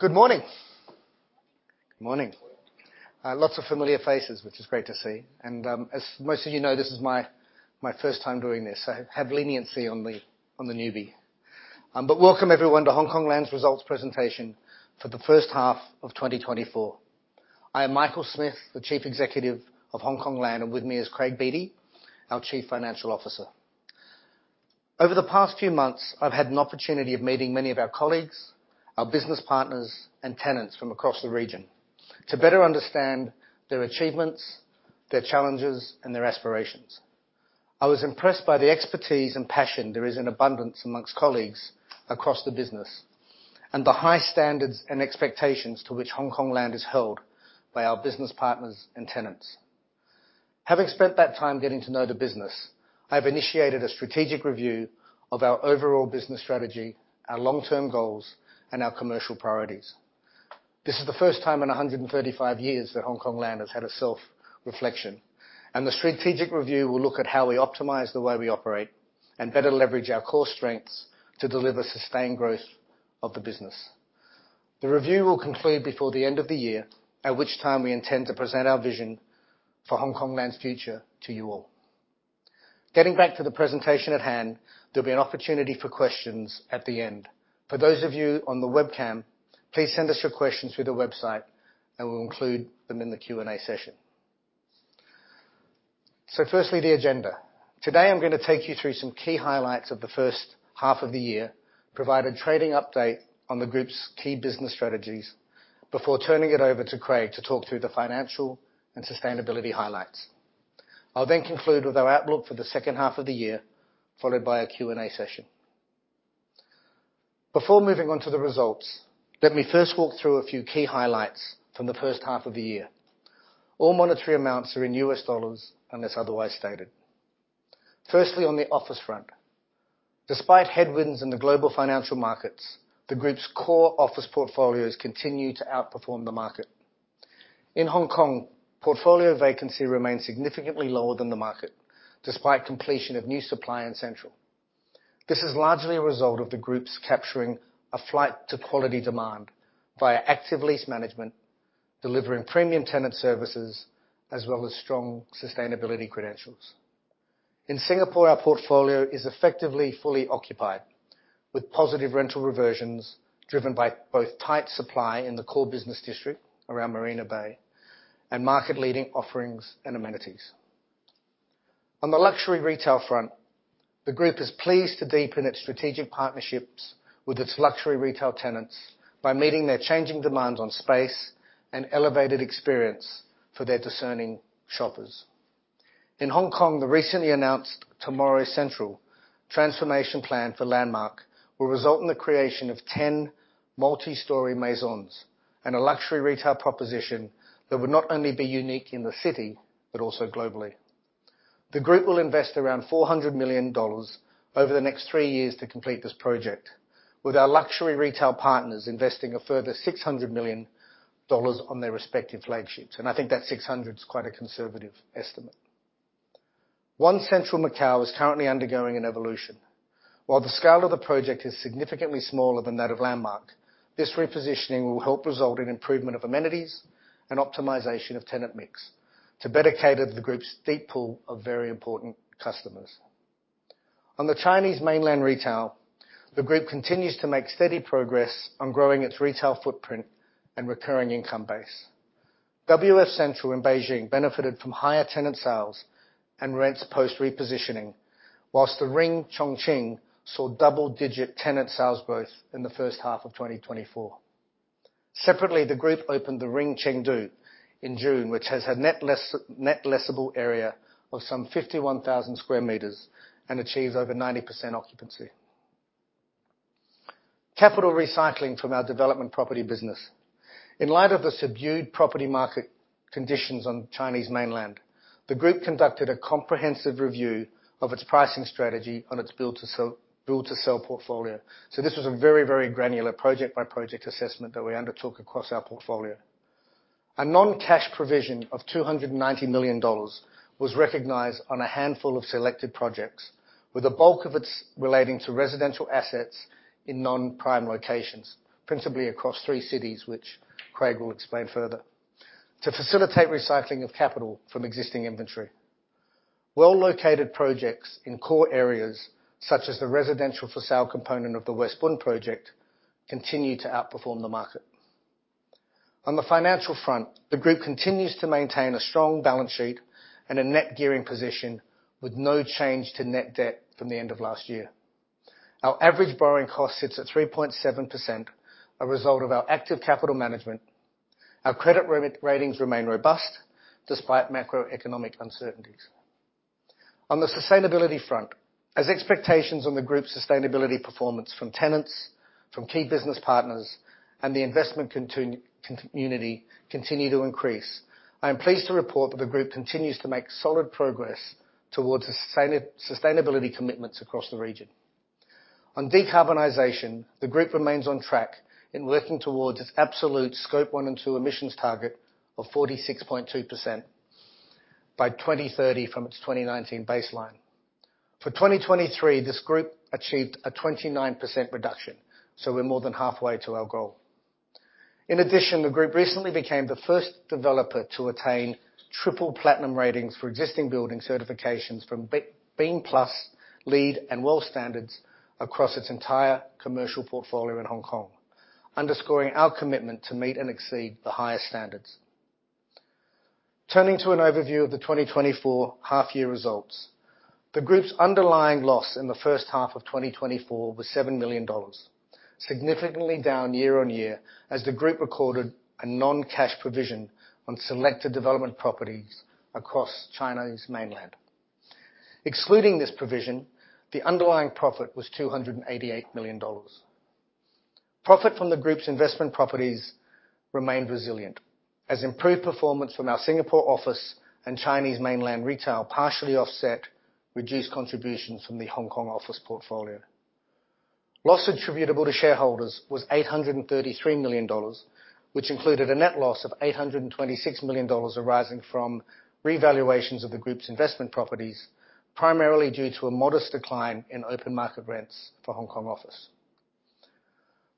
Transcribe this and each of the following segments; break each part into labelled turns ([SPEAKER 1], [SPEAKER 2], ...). [SPEAKER 1] Good morning. Good morning. Lots of familiar faces, which is great to see. As most of you know, this is my first time doing this, so have leniency on the newbie. Welcome everyone to Hongkong Land's results presentation for the first half of 2024. I am Michael Smith, the Chief Executive of Hongkong Land, and with me is Craig Beattie, our Chief Financial Officer. Over the past few months, I've had an opportunity of meeting many of our colleagues, our business partners, and tenants from across the region to better understand their achievements, their challenges, and their aspirations. I was impressed by the expertise and passion there is an abundance amongst colleagues across the business, and the high standards and expectations to which Hongkong Land is held by our business partners and tenants. Having spent that time getting to know the business, I've initiated a strategic review of our overall business strategy, our long-term goals, and our commercial priorities. This is the first time in 135 years that Hongkong Land has had a self-reflection. The strategic review will look at how we optimize the way we operate and better leverage our core strengths to deliver sustained growth of the business. The review will conclude before the end of the year, at which time we intend to present our vision for Hongkong Land's future to you all. Getting back to the presentation at hand, there'll be an opportunity for questions at the end. For those of you on the webcam, please send us your questions through the website, and we'll include them in the Q&A session. Firstly, the agenda. Today, I'm going to take you through some key highlights of the first half of the year, provide a trading update on the group's key business strategies before turning it over to Craig to talk through the financial and sustainability highlights. I'll then conclude with our outlook for the second half of the year, followed by our Q&A session. Before moving on to the results, let me first walk through a few key highlights from the first half of the year. All monetary amounts are in US dollars unless otherwise stated. Firstly, on the office front. Despite headwinds in the global financial markets, the group's core office portfolios continue to outperform the market. In Hong Kong, portfolio vacancy remains significantly lower than the market, despite completion of new supply in Central. This is largely a result of the group's capturing a flight to quality demand via active lease management, delivering premium tenant services, as well as strong sustainability credentials. In Singapore, our portfolio is effectively fully occupied, with positive rental reversions driven by both tight supply in the core business district around Marina Bay and market-leading offerings and amenities. On the luxury retail front, the group is pleased to deepen its strategic partnerships with its luxury retail tenants by meeting their changing demands on space and elevated experience for their discerning shoppers. In Hong Kong, the recently announced Tomorrow's CENTRAL transformation plan for LANDMARK will result in the creation of 10 multi-story maisons and a luxury retail proposition that would not only be unique in the city, but also globally. The group will invest around $400 million over the next three years to complete this project, with our luxury retail partners investing a further $600 million on their respective flagships. I think that 600's quite a conservative estimate. ONE CENTRAL MACAU is currently undergoing an evolution. While the scale of the project is significantly smaller than that of LANDMARK, this repositioning will help result in improvement of amenities and optimization of tenant mix to better cater to the group's deep pool of very important customers. On the Chinese mainland retail, the group continues to make steady progress on growing its retail footprint and recurring income base. WF CENTRAL in Beijing benefited from higher tenant sales and rents post-repositioning, whilst The Ring, Chongqing saw double-digit tenant sales growth in the first half of 2024. Separately, the group opened The Ring, Chengdu in June, which has a net leasable area of some 51,000 sq m and achieves over 90% occupancy. Capital recycling from our development property business. In light of the subdued property market conditions on Chinese mainland, the group conducted a comprehensive review of its pricing strategy on its build-to-sell portfolio. This was a very granular project-by-project assessment that we undertook across our portfolio. A non-cash provision of $290 million was recognized on a handful of selected projects, with the bulk of it relating to residential assets in non-prime locations, principally across three cities, which Craig will explain further, to facilitate recycling of capital from existing inventory. Well-located projects in core areas such as the residential for sale component of the West Bund project continue to outperform the market. On the financial front, the group continues to maintain a strong balance sheet and a net gearing position with no change to net debt from the end of last year. Our average borrowing cost sits at 3.7%, a result of our active capital management. Our credit ratings remain robust despite macroeconomic uncertainties. On the sustainability front, as expectations on the group's sustainability performance from tenants, from key business partners and the investment community continue to increase, I am pleased to report that the group continues to make solid progress towards sustainability commitments across the region. On decarbonization, the group remains on track in working towards its absolute Scope 1 and 2 emissions target of 46.2% by 2030 from its 2019 baseline. For 2023, this group achieved a 29% reduction. We're more than halfway to our goal. In addition, the group recently became the first developer to attain triple platinum ratings for existing building certifications from BEAM Plus, LEED, and WELL standards across its entire commercial portfolio in Hong Kong, underscoring our commitment to meet and exceed the highest standards. Turning to an overview of the 2024 half-year results. The group's underlying loss in the first half of 2024 was $7 million, significantly down year-on-year as the group recorded a non-cash provision on selected development properties across China's mainland. Excluding this provision, the underlying profit was $288 million. Profit from the group's investment properties remained resilient as improved performance from our Singapore office and Chinese mainland retail partially offset reduced contributions from the Hong Kong office portfolio. Loss attributable to shareholders was $833 million, which included a net loss of $826 million arising from revaluations of the group's investment properties, primarily due to a modest decline in open market rents for Hong Kong office.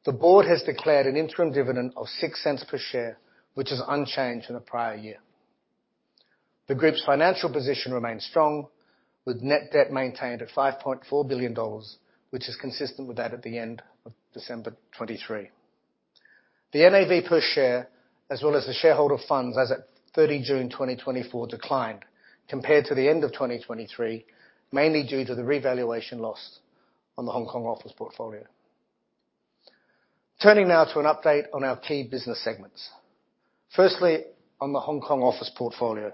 [SPEAKER 1] The board has declared an interim dividend of $0.06 per share, which is unchanged in the prior year. The group's financial position remains strong, with net debt maintained at $5.4 billion, which is consistent with that at the end of December 2023. The NAV per share as well as the shareholder funds as at 30 June 2024 declined compared to the end of 2023, mainly due to the revaluation loss on the Hong Kong office portfolio. An update on our key business segments. On the Hong Kong office portfolio. The portfolio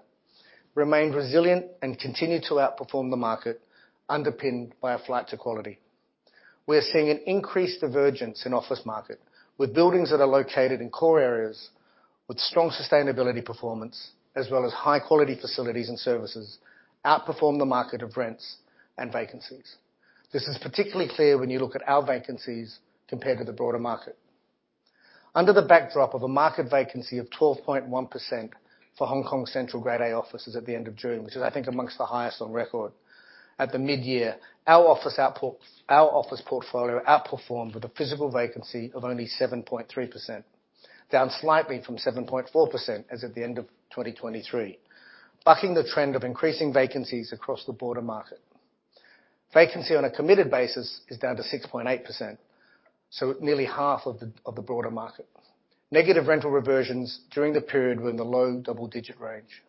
[SPEAKER 1] remained resilient and continued to outperform the market, underpinned by a flight to quality. We are seeing an increased divergence in office market with buildings that are located in core areas with strong sustainability performance, as well as high-quality facilities and services outperform the market of rents and vacancies. This is particularly clear when you look at our vacancies compared to the broader market. Under the backdrop of a market vacancy of 12.1% for Hong Kong central Grade A offices at the end of June, which is, I think, amongst the highest on record at the mid-year. Our office portfolio outperformed with a physical vacancy of only 7.3%, down slightly from 7.4% as at the end of 2023, bucking the trend of increasing vacancies across the broader market. Vacancy on a committed basis is down to 6.8%, nearly half of the broader market. Negative rental reversions during the period were in the low double-digit range.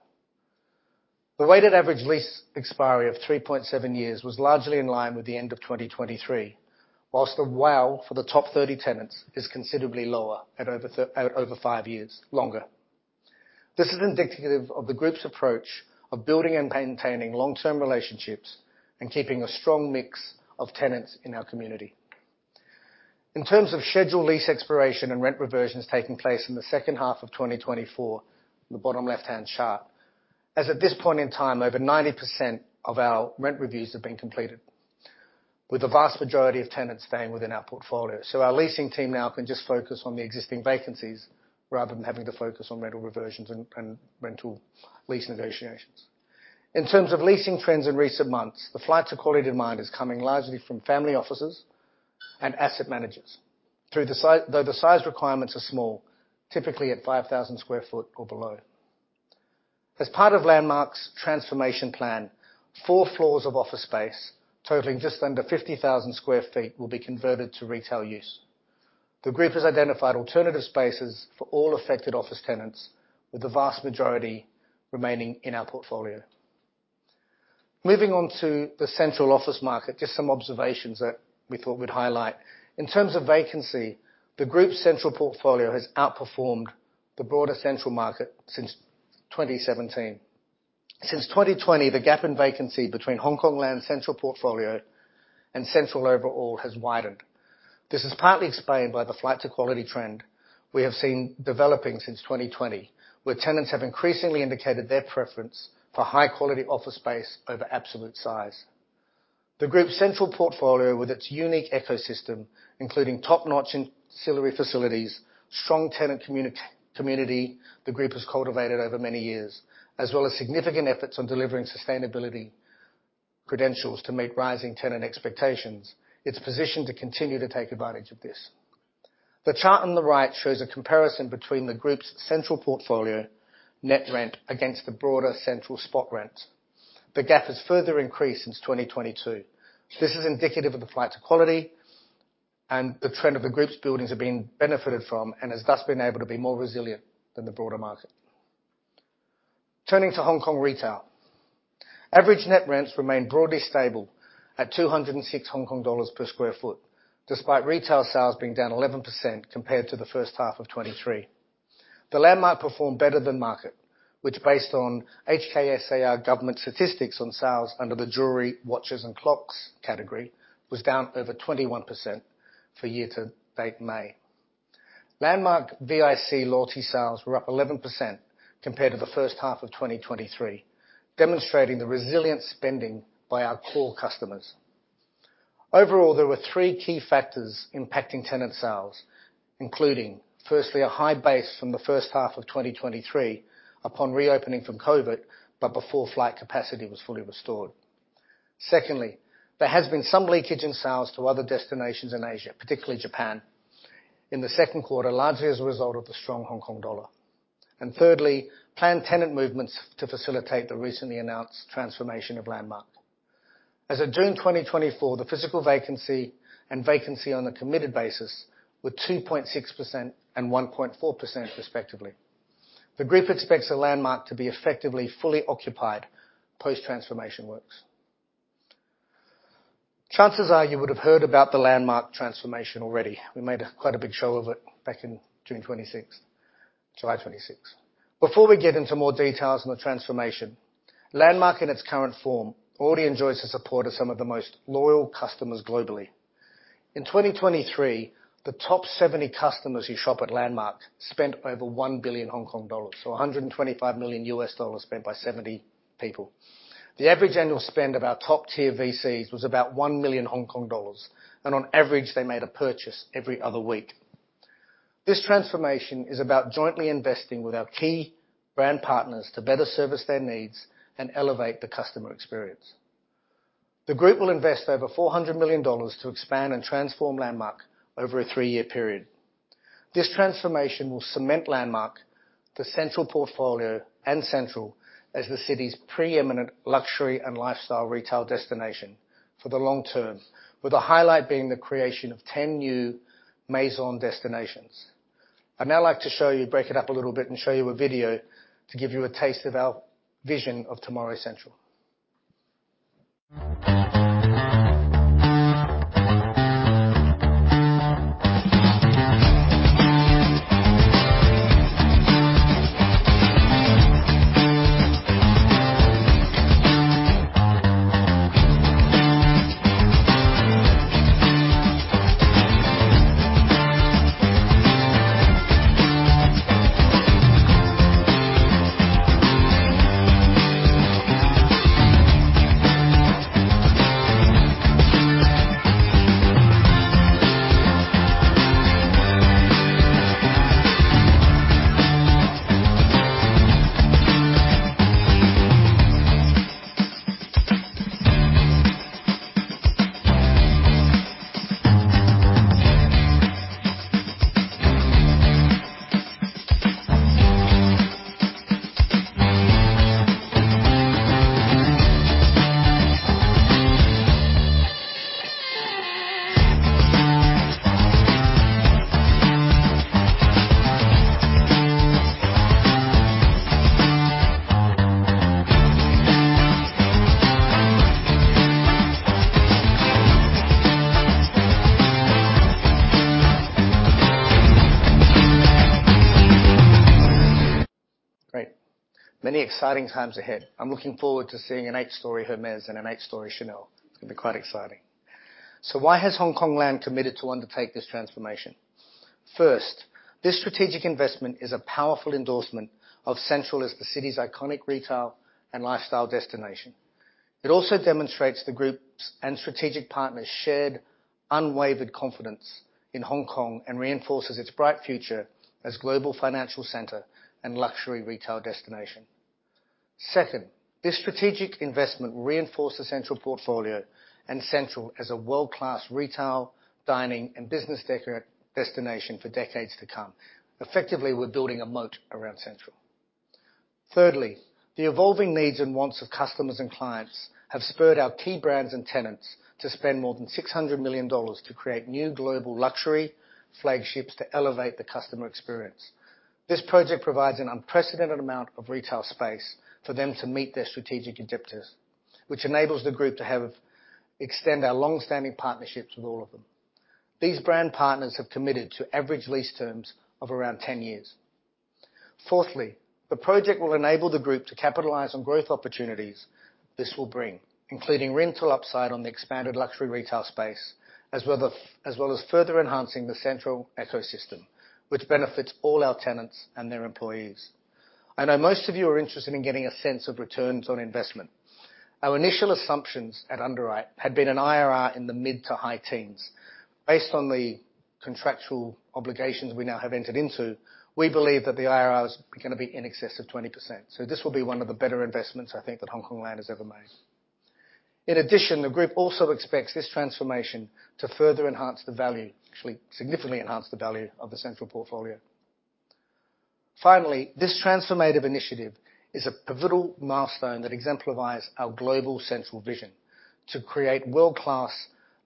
[SPEAKER 1] The Weighted Average Lease Expiry of 3.7 years was largely in line with the end of 2023, whilst the WALE for the top 30 tenants is considerably lower at over five years longer. This is indicative of the group's approach of building and maintaining long-term relationships and keeping a strong mix of tenants in our community. In terms of scheduled lease expiration and rent reversions taking place in the second half of 2024, the bottom left-hand chart. Over 90% of our rent reviews have been completed with the vast majority of tenants staying within our portfolio. Our leasing team now can just focus on the existing vacancies rather than having to focus on rental reversions and rental lease negotiations. In terms of leasing trends in recent months, the flight to quality demand is coming largely from family offices and asset managers. Though the size requirements are small, typically at 5,000 sq ft or below. As part of LANDMARK's transformation plan, four floors of office space totaling just under 50,000 sq ft will be converted to retail use. The group has identified alternative spaces for all affected office tenants, with the vast majority remaining in our portfolio. Moving on to the central office market, just some observations that we thought we'd highlight. In terms of vacancy, the group's central portfolio has outperformed the broader central market since 2017. Since 2020, the gap in vacancy between Hongkong Land central portfolio and central overall has widened. This is partly explained by the flight to quality trend we have seen developing since 2020, where tenants have increasingly indicated their preference for high-quality office space over absolute size. The group's CENTRAL portfolio, with its unique ecosystem including top-notch ancillary facilities, strong tenant community the group has cultivated over many years, as well as significant efforts on delivering sustainability credentials to meet rising tenant expectations. It's positioned to continue to take advantage of this. The chart on the right shows a comparison between the group's CENTRAL portfolio net rent against the broader CENTRAL spot rents. The gap has further increased since 2022. This is indicative of the flight to quality and the trend of the group's buildings have been benefited from and has thus been able to be more resilient than the broader market. Turning to Hong Kong retail. Average net rents remain broadly stable at 206 Hong Kong dollars per sq ft, despite retail sales being down 11% compared to the first half of 2023. The LANDMARK performed better than market, which based on HKSAR government statistics on sales under the jewelry, watches, and clocks category, was down over 21% for year to date May. LANDMARK VIC loyalty sales were up 11% compared to the first half of 2023, demonstrating the resilient spending by our core customers. Overall, there were three key factors impacting tenant sales, including, firstly, a high base from the first half of 2023 upon reopening from COVID, but before flight capacity was fully restored. Secondly, there has been some leakage in sales to other destinations in Asia, particularly Japan, in the second quarter, largely as a result of the strong Hong Kong dollar. Thirdly, planned tenant movements to facilitate the recently announced transformation of LANDMARK. As of June 2024, the physical vacancy and vacancy on a committed basis were 2.6% and 1.4% respectively. The group expects the LANDMARK to be effectively fully occupied post-transformation works. Chances are you would have heard about the LANDMARK transformation already. We made quite a big show of it back in July 26th. Before we get into more details on the transformation, LANDMARK, in its current form, already enjoys the support of some of the most loyal customers globally. In 2023, the top 70 customers who shop at LANDMARK spent over 1 billion Hong Kong dollars. So $125 million spent by 70 people. The average annual spend of our top tier VICs was about 1 million Hong Kong dollars, and on average, they made a purchase every other week. This transformation is about jointly investing with our key brand partners to better service their needs and elevate the customer experience. The group will invest over $400 million to expand and transform LANDMARK over a three-year period. This transformation will cement LANDMARK, the CENTRAL Portfolio and CENTRAL as the city's preeminent luxury and lifestyle retail destination for the long term, with the highlight being the creation of 10 new maison destinations. I'd now like to break it up a little bit and show you a video to give you a taste of our vision of Tomorrow's CENTRAL. Great. Many exciting times ahead. I'm looking forward to seeing an eight-story Hermès and an eight-story Chanel. It's going to be quite exciting. Why has Hongkong Land committed to undertake this transformation? First, this strategic investment is a powerful endorsement of CENTRAL as the city's iconic retail and lifestyle destination. It also demonstrates the group's and strategic partners' shared, unwavered confidence in Hong Kong and reinforces its bright future as global financial center and luxury retail destination. Second, this strategic investment will reinforce the Central Portfolio and Central as a world-class retail, dining, and business destination for decades to come. Effectively, we're building a moat around Central. Thirdly, the evolving needs and wants of customers and clients have spurred our key brands and tenants to spend more than $600 million to create new global luxury flagships to elevate the customer experience. This project provides an unprecedented amount of retail space for them to meet their strategic objectives, which enables the group to extend our long-standing partnerships with all of them. These brand partners have committed to average lease terms of around 10 years. Fourthly, the project will enable the group to capitalize on growth opportunities this will bring, including rental upside on the expanded luxury retail space, as well as further enhancing the Central ecosystem, which benefits all our tenants and their employees. I know most of you are interested in getting a sense of returns on investment. Our initial assumptions at underwrite had been an IRR in the mid to high teens. Based on the contractual obligations we now have entered into, we believe that the IRR is going to be in excess of 20%. This will be one of the better investments, I think, that Hongkong Land has ever made. In addition, the group also expects this transformation to further enhance the value, actually, significantly enhance the value of the Central Portfolio. Finally, this transformative initiative is a pivotal milestone that exemplifies our global Central vision to create world-class,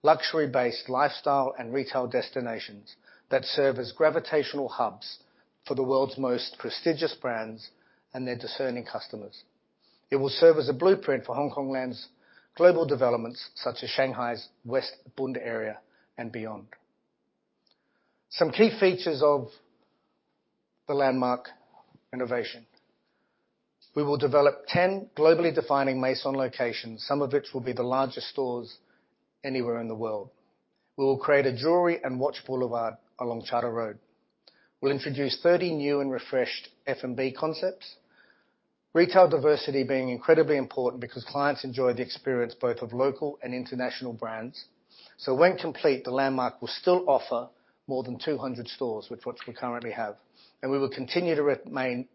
[SPEAKER 1] luxury-based lifestyle and retail destinations that serve as gravitational hubs for the world's most prestigious brands and their discerning customers. It will serve as a blueprint for Hongkong Land's global developments, such as Shanghai's West Bund area and beyond. Some key features of the LANDMARK renovation. We will develop 10 globally defining maison locations, some of which will be the largest stores anywhere in the world. We will create a jewelry and watch boulevard along Chater Road. We'll introduce 30 new and refreshed F&B concepts. Retail diversity being incredibly important because clients enjoy the experience both of local and international brands. When complete, the LANDMARK will still offer more than 200 stores, with what we currently have, and we will continue to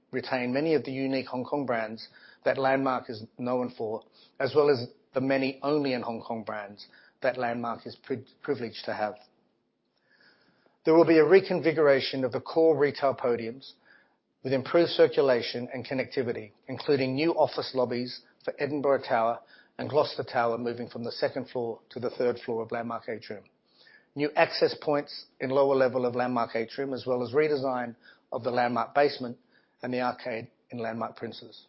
[SPEAKER 1] retain many of the unique Hong Kong brands that LANDMARK is known for, as well as the many only in Hong Kong brands that LANDMARK is privileged to have. There will be a reconfiguration of the core retail podiums with improved circulation and connectivity, including new office lobbies for Edinburgh Tower and Gloucester Tower, moving from the second floor to the third floor of LANDMARK ATRIUM. New access points in lower level of LANDMARK ATRIUM, as well as redesign of the LANDMARK basement and the arcade in LANDMARK PRINCE'S.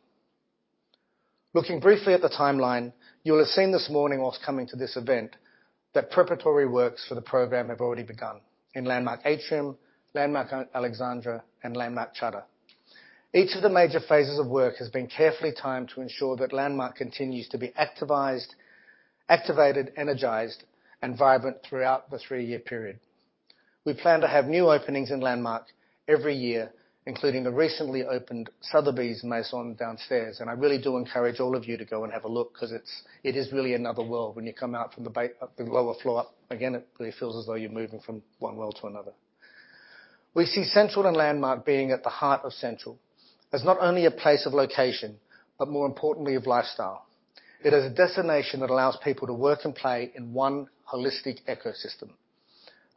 [SPEAKER 1] Looking briefly at the timeline, you will have seen this morning whilst coming to this event that preparatory works for the program have already begun in LANDMARK ATRIUM, LANDMARK ALEXANDRA, and LANDMARK CHATER. Each of the major phases of work has been carefully timed to ensure that LANDMARK continues to be activated, energized, and vibrant throughout the three-year period. We plan to have new openings in LANDMARK every year, including the recently opened Sotheby's Maison downstairs, and I really do encourage all of you to go and have a look, because it is really another world when you come out from the lower floor up again, it feels as though you're moving from one world to another. We see Central and LANDMARK being at the heart of Central as not only a place of location, but more importantly of lifestyle. It is a destination that allows people to work and play in one holistic ecosystem.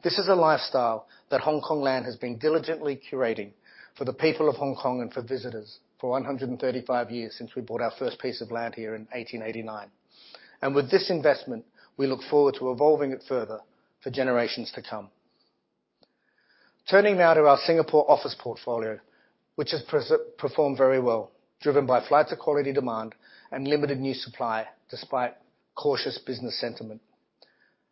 [SPEAKER 1] This is a lifestyle that Hongkong Land has been diligently curating for the people of Hong Kong and for visitors for 135 years, since we bought our first piece of land here in 1889. With this investment, we look forward to evolving it further for generations to come. Turning now to our Singapore office portfolio, which has performed very well, driven by flight to quality demand and limited new supply, despite cautious business sentiment.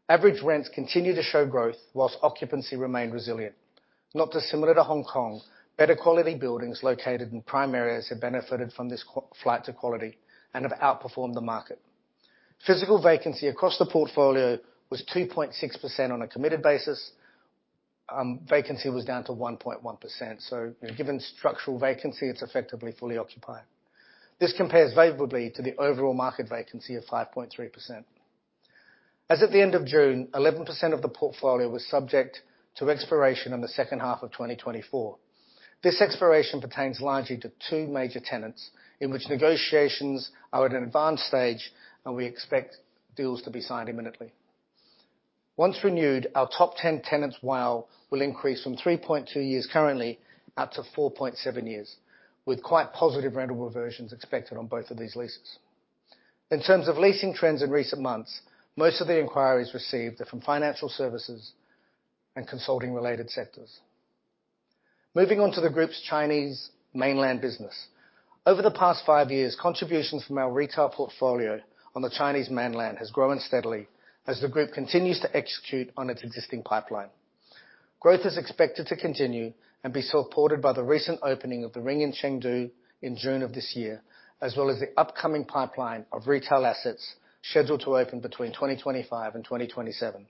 [SPEAKER 1] Average rents continue to show growth whilst occupancy remained resilient. Not dissimilar to Hong Kong, better quality buildings located in prime areas have benefited from this flight to quality and have outperformed the market. Physical vacancy across the portfolio was 2.6% on a committed basis. Vacancy was down to 1.1%, so given structural vacancy, it's effectively fully occupied. This compares favorably to the overall market vacancy of 5.3%. As of the end of June, 11% of the portfolio was subject to expiration in the second half of 2024. This expiration pertains largely to two major tenants, in which negotiations are at an advanced stage, and we expect deals to be signed imminently. Once renewed, our top 10 tenants' WALE will increase from 3.2 years currently up to 4.7 years, with quite positive rentable versions expected on both of these leases. In terms of leasing trends in recent months, most of the inquiries received are from financial services and consulting-related sectors. Moving on to the group's Chinese mainland business. Over the past five years, contributions from our retail portfolio on the Chinese mainland has grown steadily as the group continues to execute on its existing pipeline. Growth is expected to continue and be supported by the recent opening of The Ring, Chengdu in June of this year, as well as the upcoming pipeline of retail assets scheduled to open between 2025 and 2027.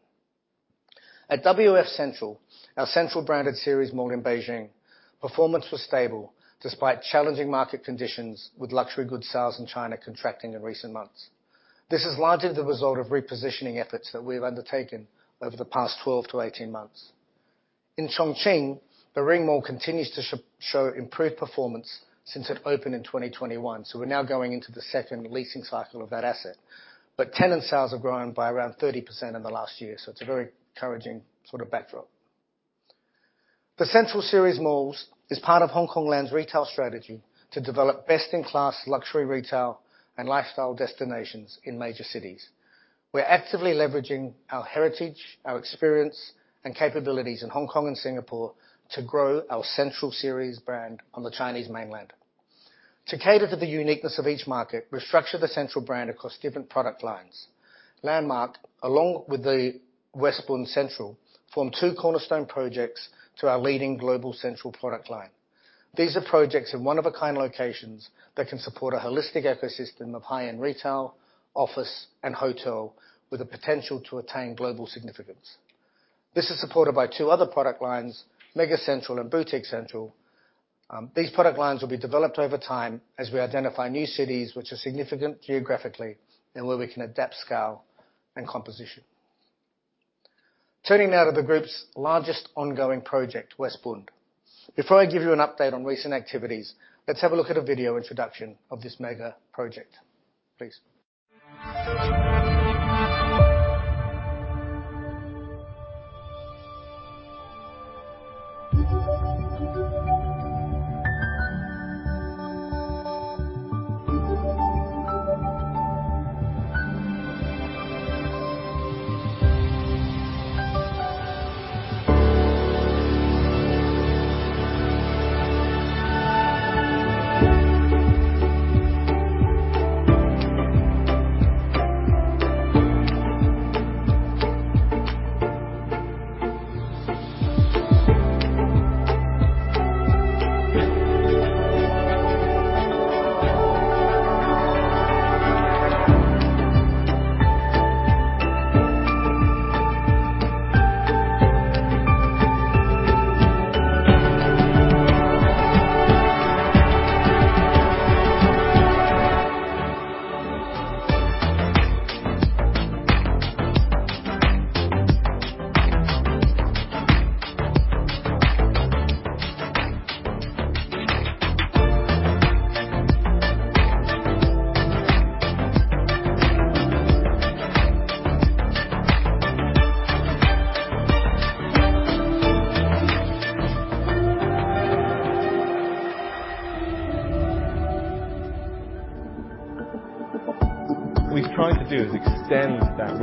[SPEAKER 1] At WF CENTRAL, our CENTRAL Series branded mall in Beijing, performance was stable despite challenging market conditions, with luxury good sales in China contracting in recent months. This is largely the result of repositioning efforts that we've undertaken over the past 12 to 18 months. In Chongqing, The Ring mall continues to show improved performance since it opened in 2021, so we're now going into the second leasing cycle of that asset. Tenant sales have grown by around 30% in the last year, so it's a very encouraging sort of backdrop. The CENTRAL Series malls is part of Hongkong Land's retail strategy to develop best-in-class luxury retail and lifestyle destinations in major cities. We're actively leveraging our heritage, our experience, and capabilities in Hong Kong and Singapore to grow our CENTRAL Series brand on the Chinese mainland. To cater to the uniqueness of each market, we structured the CENTRAL brand across different product lines. LANDMARK, along with the West Bund Central, form two cornerstone projects to our leading global CENTRAL product line. These are projects in one-of-a-kind locations that can support a holistic ecosystem of high-end retail, office, and hotel with the potential to attain global significance. This is supported by two other product lines, Mega Central and Boutique Central. These product lines will be developed over time as we identify new cities which are significant geographically and where we can adapt scale and composition. Turning now to the group's largest ongoing project, West Bund. Before I give you an update on recent activities, let's have a look at a video introduction of this mega project,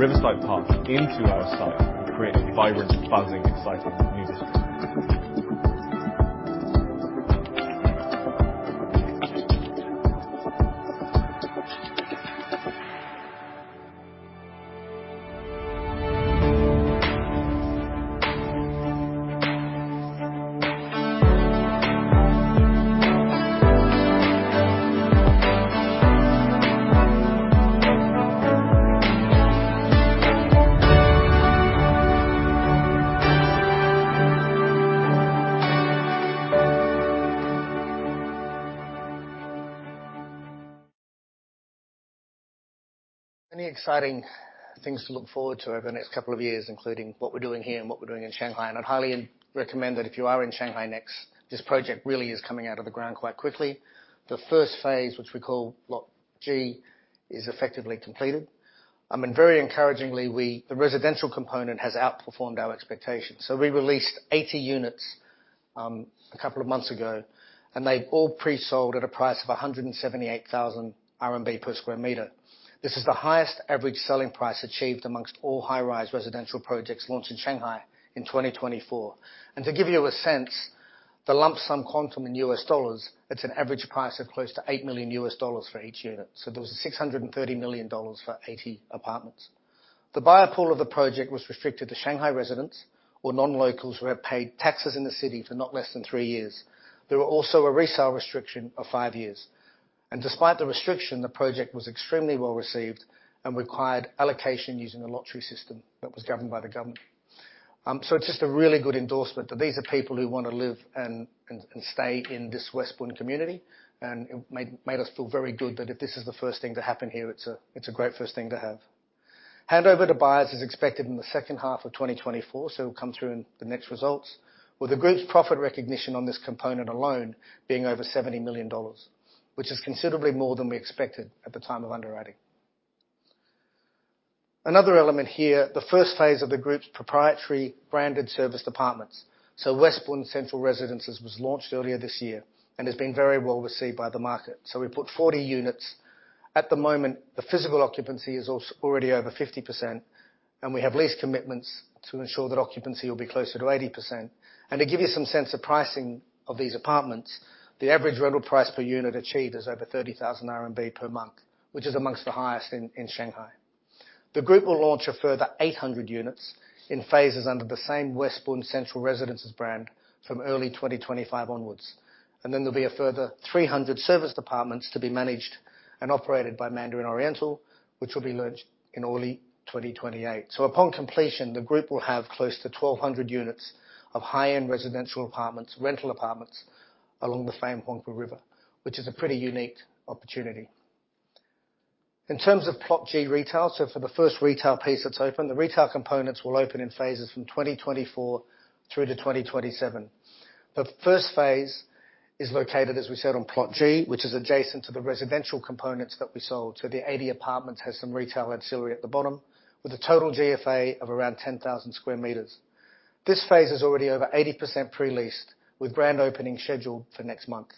[SPEAKER 1] please.
[SPEAKER 2] What we've tried to do is extend that riverside path into our site to create a vibrant, buzzing, exciting new district.
[SPEAKER 1] Many exciting things to look forward to over the next couple of years, including what we're doing here and what we're doing in Shanghai. I'd highly recommend that if you are in Shanghai next, this project really is coming out of the ground quite quickly. The first phase, which we call Lot G, is effectively completed. Very encouragingly, the residential component has outperformed our expectations. We released 80 units, a couple of months ago, and they've all pre-sold at a price of 178,000 RMB per square meter. This is the highest average selling price achieved amongst all high-rise residential projects launched in Shanghai in 2024. To give you a sense, the lump sum quantum in US dollars, it's an average price of close to $8 million for each unit. There was a $630 million for 80 apartments. The buyer pool of the project was restricted to Shanghai residents or non-locals who have paid taxes in the city for not less than three years. There were also a resale restriction of five years. Despite the restriction, the project was extremely well-received and required allocation using a lottery system that was governed by the government. It's just a really good endorsement that these are people who want to live and stay in this West Bund community. It made us feel very good that if this is the first thing to happen here, it's a great first thing to have. Handover to buyers is expected in the second half of 2024, so it'll come through in the next results. With the group's profit recognition on this component alone being over $70 million, which is considerably more than we expected at the time of underwriting. Another element here, the first phase of the group's proprietary branded serviced apartments. West Bund Central Residences was launched earlier this year and has been very well-received by the market. We put 40 units. At the moment, the physical occupancy is already over 50%, and we have lease commitments to ensure that occupancy will be closer to 80%. To give you some sense of pricing of these apartments, the average rental price per unit achieved is over 30,000 RMB per month, which is amongst the highest in Shanghai. The group will launch a further 800 units in phases under the same West Bund Central Residences brand from early 2025 onwards. There will be a further 300 serviced apartments to be managed and operated by Mandarin Oriental, which will be launched in early 2028. Upon completion, the group will have close to 1,200 units of high-end residential apartments, rental apartments along the famed Huangpu River, which is a pretty unique opportunity. In terms of Plot G retail, for the first retail piece that is open, the retail components will open in phases from 2024 through to 2027. The first phase is located, as we said, on Plot G, which is adjacent to the residential components that we sold. The 80 apartments has some retail ancillary at the bottom with a total GFA of around 10,000 sq m. This phase is already over 80% pre-leased with brand opening scheduled for next month.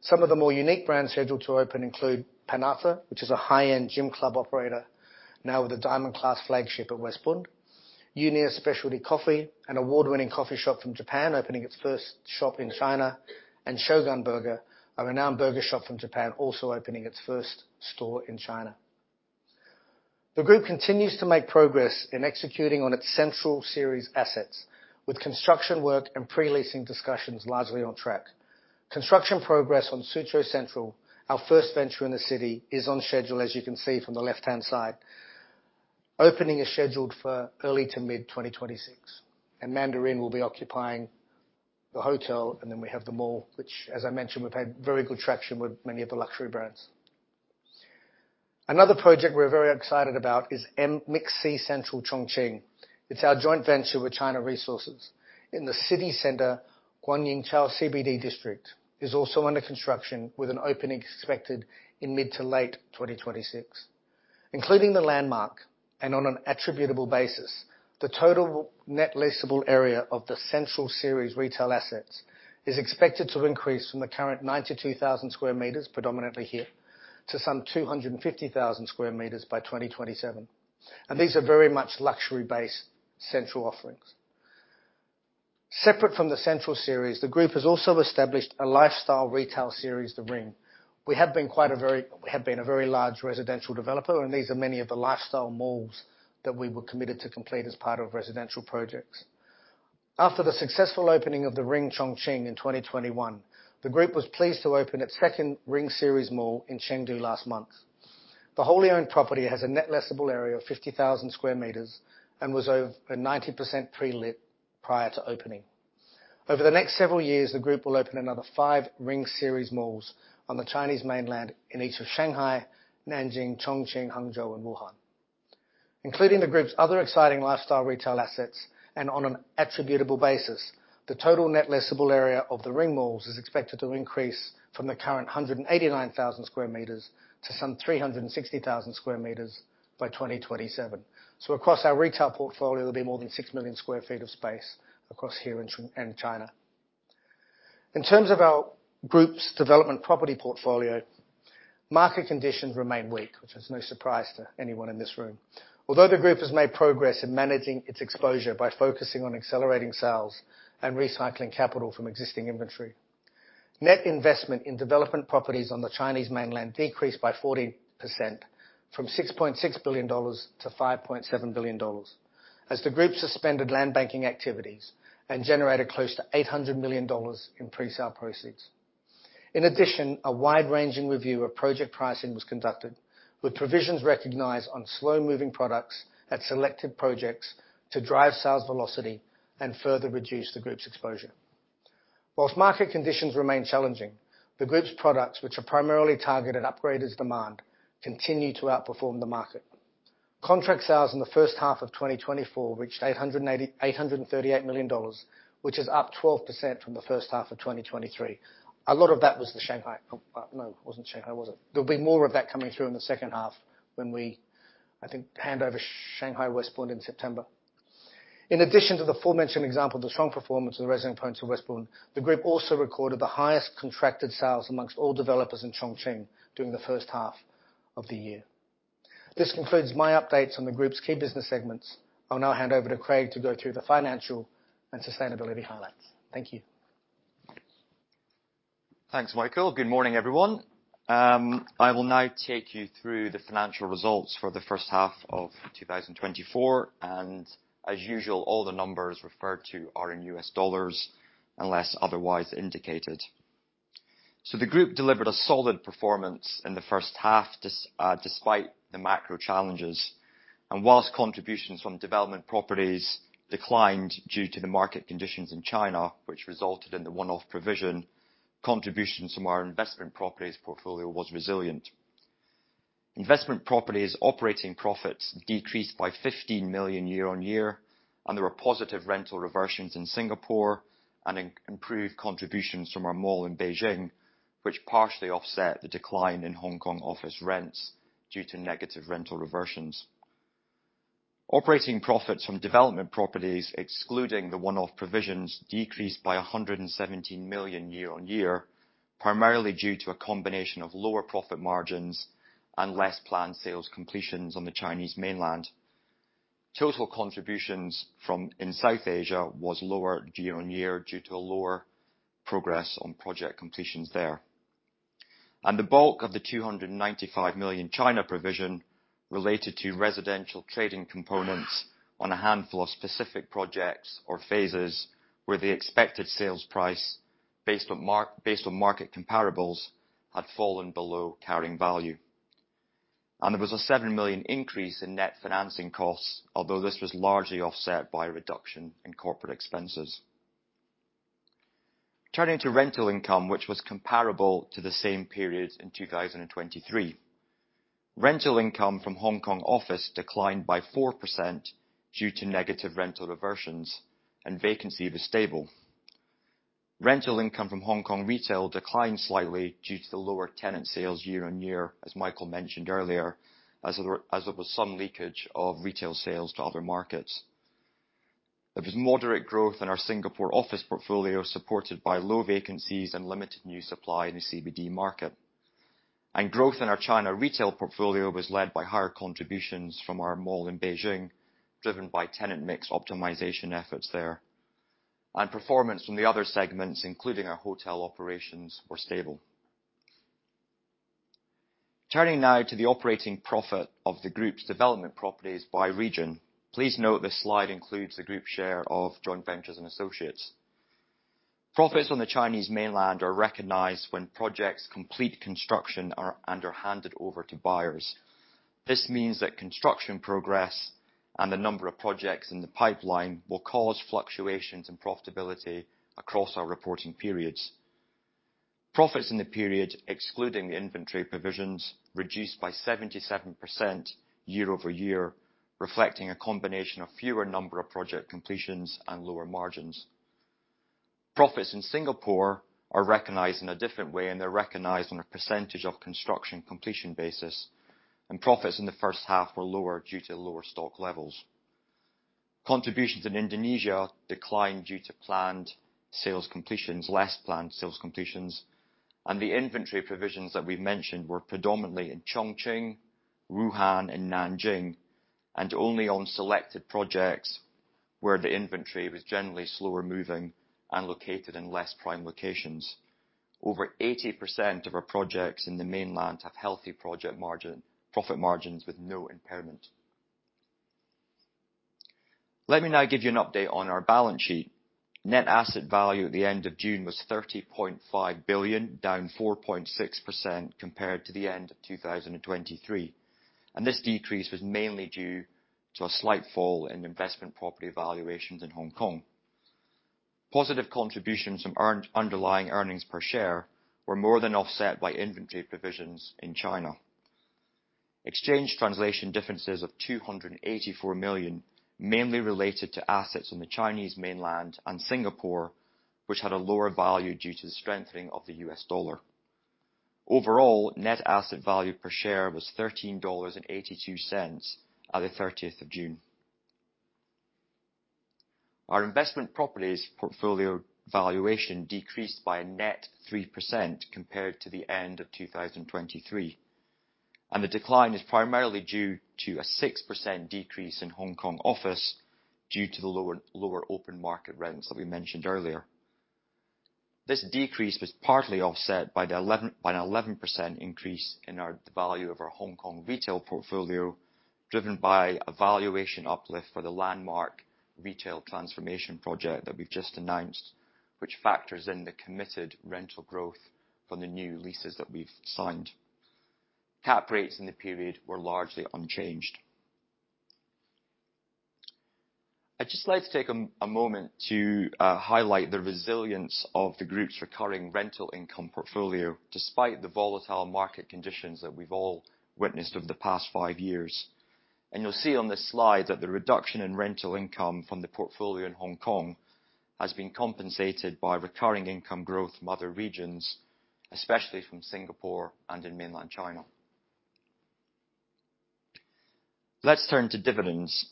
[SPEAKER 1] Some of the more unique brands scheduled to open include Panatta, which is a high-end gym club operator now with a diamond class flagship at West Bund. Union Specialty Coffee, an award-winning coffee shop from Japan opening its first shop in China. Shogun Burger, a renowned burger shop from Japan also opening its first store in China. The group continues to make progress in executing on its CENTRAL Series assets with construction work and pre-leasing discussions largely on track. Construction progress on Suzhou Central, our first venture in the city, is on schedule, as you can see from the left-hand side. Opening is scheduled for early to mid-2026. Mandarin will be occupying the hotel. We have the mall, which as I mentioned, we've had very good traction with many of the luxury brands. Another project we're very excited about is MixC CENTRAL, Chongqing. It's our joint venture with China Resources in the city center. Guanyinqiao CBD district is also under construction with an opening expected in mid to late 2026. Including the LANDMARK and on an attributable basis, the total net leasable area of the CENTRAL Series retail assets is expected to increase from the current 92,000 sq m predominantly here, to some 250,000 sq m by 2027. These are very much luxury-based central offerings. Separate from the CENTRAL Series, the group has also established a lifestyle retail series, The Ring. We have been a very large residential developer, and these are many of the lifestyle malls that we were committed to complete as part of residential projects. After the successful opening of The Ring, Chongqing in 2021, the group was pleased to open its second Ring series mall in Chengdu last month. The wholly-owned property has a net leasable area of 50,000 sq m and was over 90% pre-let prior to opening. Over the next several years, the group will open another 5 The Ring series malls on the Chinese mainland in each of Shanghai, Nanjing, Chongqing, Hangzhou and Wuhan. Including the group's other exciting lifestyle retail assets, and on an attributable basis, the total net leasable area of The Ring malls is expected to increase from the current 189,000 sq m to some 360,000 sq m by 2027. Across our retail portfolio, there will be more than 6 million sq ft of space across here and China. In terms of our group's development property portfolio, market conditions remain weak, which is no surprise to anyone in this room. Although the group has made progress in managing its exposure by focusing on accelerating sales and recycling capital from existing inventory, net investment in development properties on the Chinese mainland decreased by 40%, from $6.6 billion to $5.7 billion as the group suspended land banking activities and generated close to $800 million in pre-sale proceeds. In addition, a wide-ranging review of project pricing was conducted, with provisions recognized on slow-moving products at selected projects to drive sales velocity and further reduce the group's exposure. While market conditions remain challenging, the group's products, which are primarily targeted at upgraders demand, continue to outperform the market. Contract sales in the first half of 2024 reached $838 million, which is up 12% from the first half of 2023. No, it wasn't Shanghai, was it? There will be more of that coming through in the second half when we, I think, hand over Shanghai West Bund in September. In addition to the aforementioned example of the strong performance of the residential units of West Bund, the group also recorded the highest contracted sales among all developers in Chongqing during the first half of the year. This concludes my updates on the group's key business segments. I will now hand over to Craig to go through the financial and sustainability highlights. Thank you.
[SPEAKER 3] Thanks, Michael. Good morning, everyone. I will now take you through the financial results for the first half of 2024, and as usual, all the numbers referred to are in U.S. dollars unless otherwise indicated. The group delivered a solid performance in the first half despite the macro challenges. While contributions from development properties declined due to the market conditions in China, which resulted in the one-off provision, contributions from our investment properties portfolio was resilient. Investment properties operating profits decreased by $15 million year-on-year, and there were positive rental reversions in Singapore and improved contributions from our mall in Beijing, which partially offset the decline in Hong Kong office rents due to negative rental reversions. Operating profits from development properties, excluding the one-off provisions, decreased by $117 million year-on-year, primarily due to a combination of lower profit margins and less planned sales completions on the Chinese mainland. Total contributions in Southeast Asia was lower year-on-year due to a lower progress on project completions there. The bulk of the $295 million China provision related to residential trading components on a handful of specific projects or phases where the expected sales price based on market comparables had fallen below carrying value. There was a $7 million increase in net financing costs, although this was largely offset by a reduction in corporate expenses. Turning to rental income, which was comparable to the same period in 2023. Rental income from Hong Kong office declined by 4% due to negative rental reversions, and vacancy was stable. Rental income from Hong Kong retail declined slightly due to the lower tenant sales year-on-year, as Michael mentioned earlier, as there was some leakage of retail sales to other markets. There was moderate growth in our Singapore office portfolio, supported by low vacancies and limited new supply in the CBD market. Growth in our China retail portfolio was led by higher contributions from our mall in Beijing, driven by tenant mix optimization efforts there. Performance from the other segments, including our hotel operations, were stable. Turning now to the operating profit of the group's development properties by region. Please note this slide includes the group share of joint ventures and associates. Profits on the Chinese mainland are recognized when projects complete construction and are handed over to buyers. This means that construction progress and the number of projects in the pipeline will cause fluctuations in profitability across our reporting periods. Profits in the period, excluding the inventory provisions, reduced by 77% year-over-year, reflecting a combination of fewer number of project completions and lower margins. Profits in Singapore are recognized in a different way, and they're recognized on a percentage of construction completion basis. Profits in the first half were lower due to lower stock levels. Contributions in Indonesia declined due to less planned sales completions. The inventory provisions that we've mentioned were predominantly in Chongqing, Wuhan and Nanjing, and only on selected projects where the inventory was generally slower moving and located in less prime locations. Over 80% of our projects in the mainland have healthy project profit margins with no impairment. Let me now give you an update on our balance sheet. Net asset value at the end of June was $30.5 billion, down 4.6% compared to the end of 2023. This decrease was mainly due to a slight fall in investment property valuations in Hong Kong. Positive contributions from underlying earnings per share were more than offset by inventory provisions in China. Exchange translation differences of $284 million mainly related to assets in the Chinese mainland and Singapore, which had a lower value due to the strengthening of the U.S. dollar. Overall, net asset value per share was $13.82 at the 30th of June. Our investment properties portfolio valuation decreased by a net 3% compared to the end of 2023. The decline is primarily due to a 6% decrease in Hong Kong office due to the lower open market rents that we mentioned earlier. This decrease was partly offset by an 11% increase in the value of our Hong Kong retail portfolio, driven by a valuation uplift for the LANDMARK retail transformation project that we've just announced, which factors in the committed rental growth from the new leases that we've signed. Cap rates in the period were largely unchanged. I'd just like to take a moment to highlight the resilience of the group's recurring rental income portfolio, despite the volatile market conditions that we've all witnessed over the past five years. You'll see on this slide that the reduction in rental income from the portfolio in Hong Kong has been compensated by recurring income growth from other regions, especially from Singapore and in mainland China. Let's turn to dividends.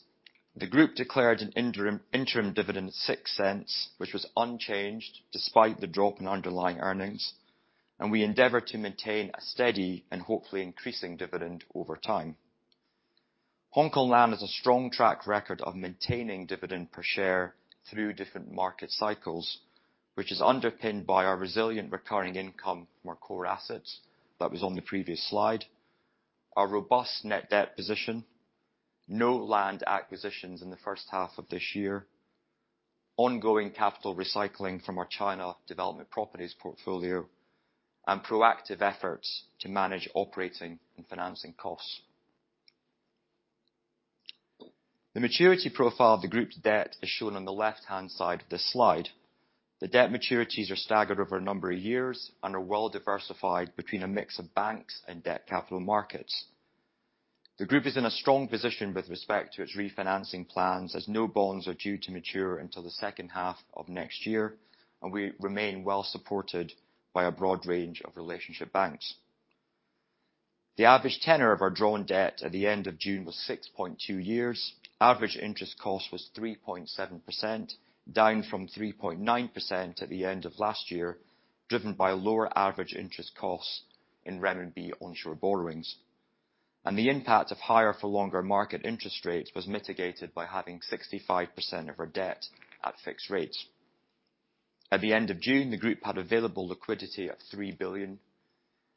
[SPEAKER 3] The group declared an interim dividend of $0.06, which was unchanged despite the drop in underlying earnings, and we endeavor to maintain a steady and hopefully increasing dividend over time. Hongkong Land has a strong track record of maintaining dividend per share through different market cycles, which is underpinned by our resilient recurring income from our core assets that was on the previous slide. Our robust net debt position, no land acquisitions in the first half of this year, ongoing capital recycling from our China development properties portfolio, and proactive efforts to manage operating and financing costs. The maturity profile of the group's debt is shown on the left-hand side of this slide. The debt maturities are staggered over a number of years and are well-diversified between a mix of banks and debt capital markets. The group is in a strong position with respect to its refinancing plans, as no bonds are due to mature until the second half of next year, and we remain well-supported by a broad range of relationship banks. The average tenor of our drawn debt at the end of June was 6.2 years. Average interest cost was 3.7%, down from 3.9% at the end of last year, driven by lower average interest costs in renminbi onshore borrowings. The impact of higher for longer market interest rates was mitigated by having 65% of our debt at fixed rates. At the end of June, the group had available liquidity of $3 billion,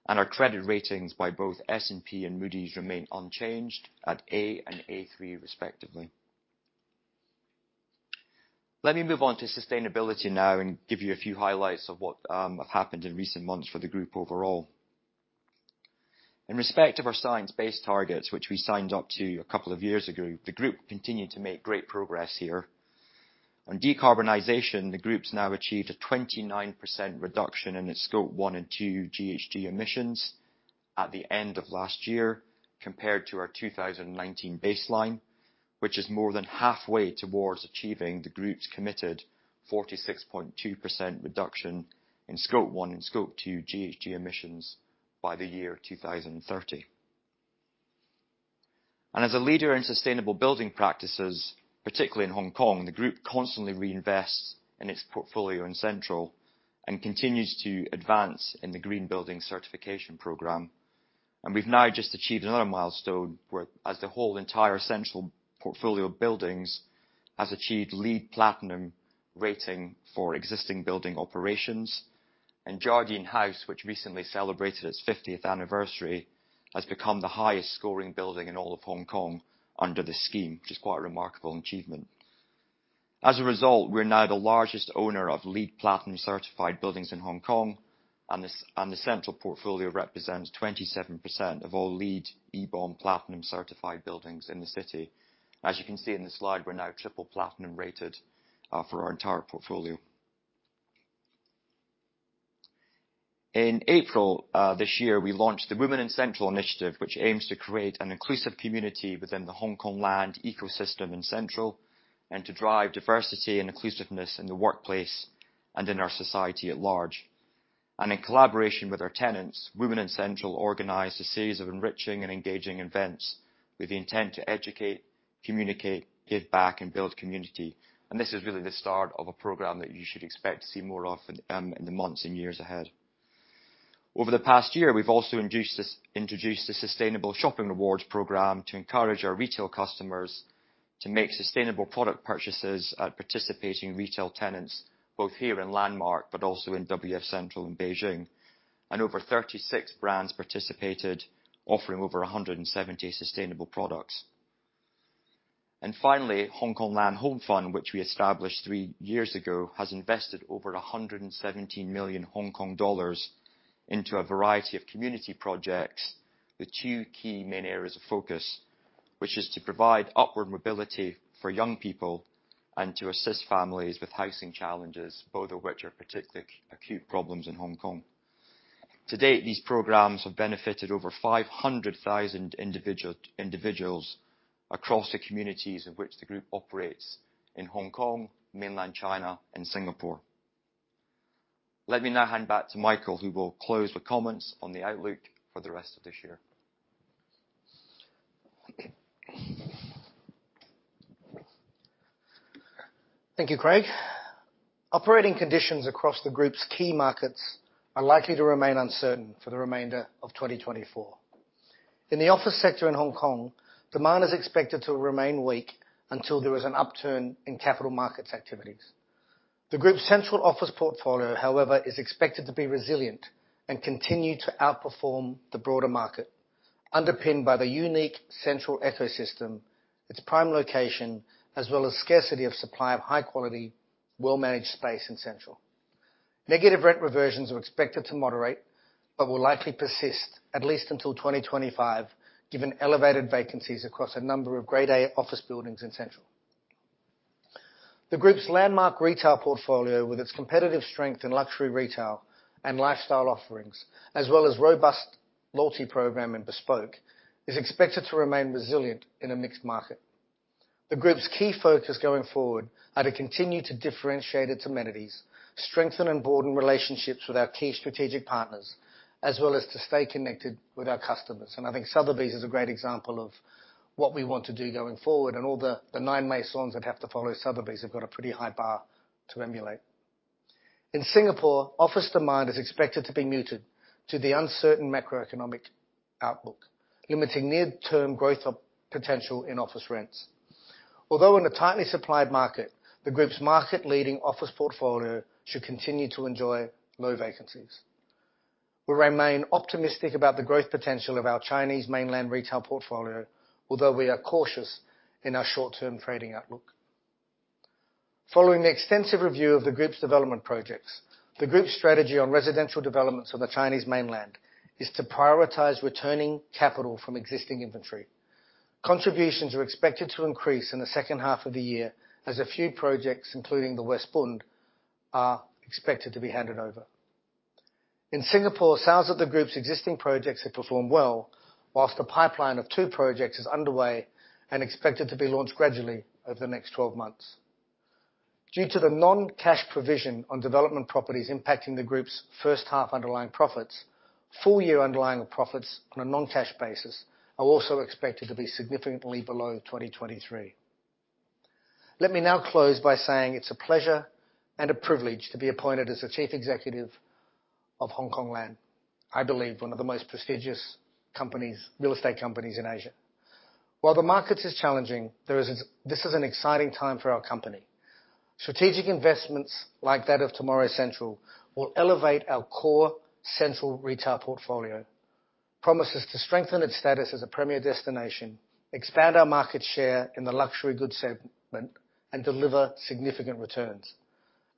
[SPEAKER 3] and our credit ratings by both S&P and Moody's remain unchanged at A and A3 respectively. Let me move on to sustainability now and give you a few highlights of what has happened in recent months for the group overall. In respect of our science-based targets, which we signed up to a couple of years ago, the group continued to make great progress here. On decarbonization, the group's now achieved a 29% reduction in its Scope 1 and 2 GHG emissions at the end of last year compared to our 2019 baseline, which is more than halfway towards achieving the group's committed 46.2% reduction in Scope 1 and Scope 2 GHG emissions by the year 2030. As a leader in sustainable building practices, particularly in Hong Kong, the group constantly reinvests in its portfolio in Central and continues to advance in the Green Building Certification program. We've now just achieved another milestone where as the whole entire Central portfolio of buildings has achieved LEED Platinum rating for existing building operations. Jardine House, which recently celebrated its 50th anniversary, has become the highest-scoring building in all of Hong Kong under the scheme, which is quite a remarkable achievement. As a result, we are now the largest owner of LEED Platinum certified buildings in Hong Kong, and the Central portfolio represents 27% of all LEED EBOM Platinum certified buildings in the city. As you can see in the slide, we're now triple platinum-rated for our entire portfolio. In April this year, we launched the WOMEN in CENTRAL initiative, which aims to create an inclusive community within the Hongkong Land ecosystem in Central and to drive diversity and inclusiveness in the workplace and in our society at large. In collaboration with our tenants, WOMEN in CENTRAL organized a series of enriching and engaging events with the intent to educate, communicate, give back, and build community. This is really the start of a program that you should expect to see more of in the months and years ahead. Over the past year, we've also introduced the Sustainable Shopping Rewards program to encourage our retail customers to make sustainable product purchases at participating retail tenants, both here in LANDMARK but also in WF CENTRAL in Beijing. Over 36 brands participated, offering over 170 sustainable products. Finally, Hongkong Land HOME FUND, which we established three years ago, has invested over 117 million Hong Kong dollars into a variety of community projects with two key main areas of focus, which is to provide upward mobility for young people and to assist families with housing challenges, both of which are particularly acute problems in Hong Kong. To date, these programs have benefited over 500,000 individuals across the communities in which the group operates in Hong Kong, Mainland China, and Singapore. Let me now hand back to Michael, who will close with comments on the outlook for the rest of this year.
[SPEAKER 1] Thank you, Craig. Operating conditions across the group's key markets are likely to remain uncertain for the remainder of 2024. In the office sector in Hong Kong, demand is expected to remain weak until there is an upturn in capital markets activities. The group's Central office portfolio, however, is expected to be resilient and continue to outperform the broader market, underpinned by the unique Central ecosystem, its prime location, as well as scarcity of supply of high-quality, well-managed space in Central. Negative rent reversions are expected to moderate but will likely persist at least until 2025, given elevated vacancies across a number of Grade A office buildings in Central. The group's LANDMARK retail portfolio, with its competitive strength in luxury retail and lifestyle offerings, as well as robust loyalty program in BESPOKE, is expected to remain resilient in a mixed market. The group's key focus going forward are to continue to differentiate its amenities, strengthen and broaden relationships with our key strategic partners, as well as to stay connected with our customers. I think Sotheby's is a great example of what we want to do going forward. All the nine maisons that have to follow Sotheby's have got a pretty high bar to emulate. In Singapore, office demand is expected to be muted to the uncertain macroeconomic outlook, limiting near-term growth potential in office rents. Although in a tightly supplied market, the group's market-leading office portfolio should continue to enjoy low vacancies. We remain optimistic about the growth potential of our Chinese mainland retail portfolio, although we are cautious in our short-term trading outlook. Following the extensive review of the group's development projects, the group's strategy on residential developments on the Chinese mainland is to prioritize returning capital from existing inventory. Contributions are expected to increase in the second half of the year as a few projects, including the West Bund Central, are expected to be handed over. In Singapore, sales of the group's existing projects have performed well, whilst the pipeline of two projects is underway and expected to be launched gradually over the next 12 months. Due to the non-cash provision on development properties impacting the group's first half underlying profits, full-year underlying profits on a non-cash basis are also expected to be significantly below 2023. Let me now close by saying it's a pleasure and a privilege to be appointed as the Chief Executive of Hongkong Land, I believe one of the most prestigious real estate companies in Asia. While the market is challenging, this is an exciting time for our company. Strategic investments like that of Tomorrow's CENTRAL will elevate our core central retail portfolio, promise us to strengthen its status as a premier destination, expand our market share in the luxury goods segment, and deliver significant returns.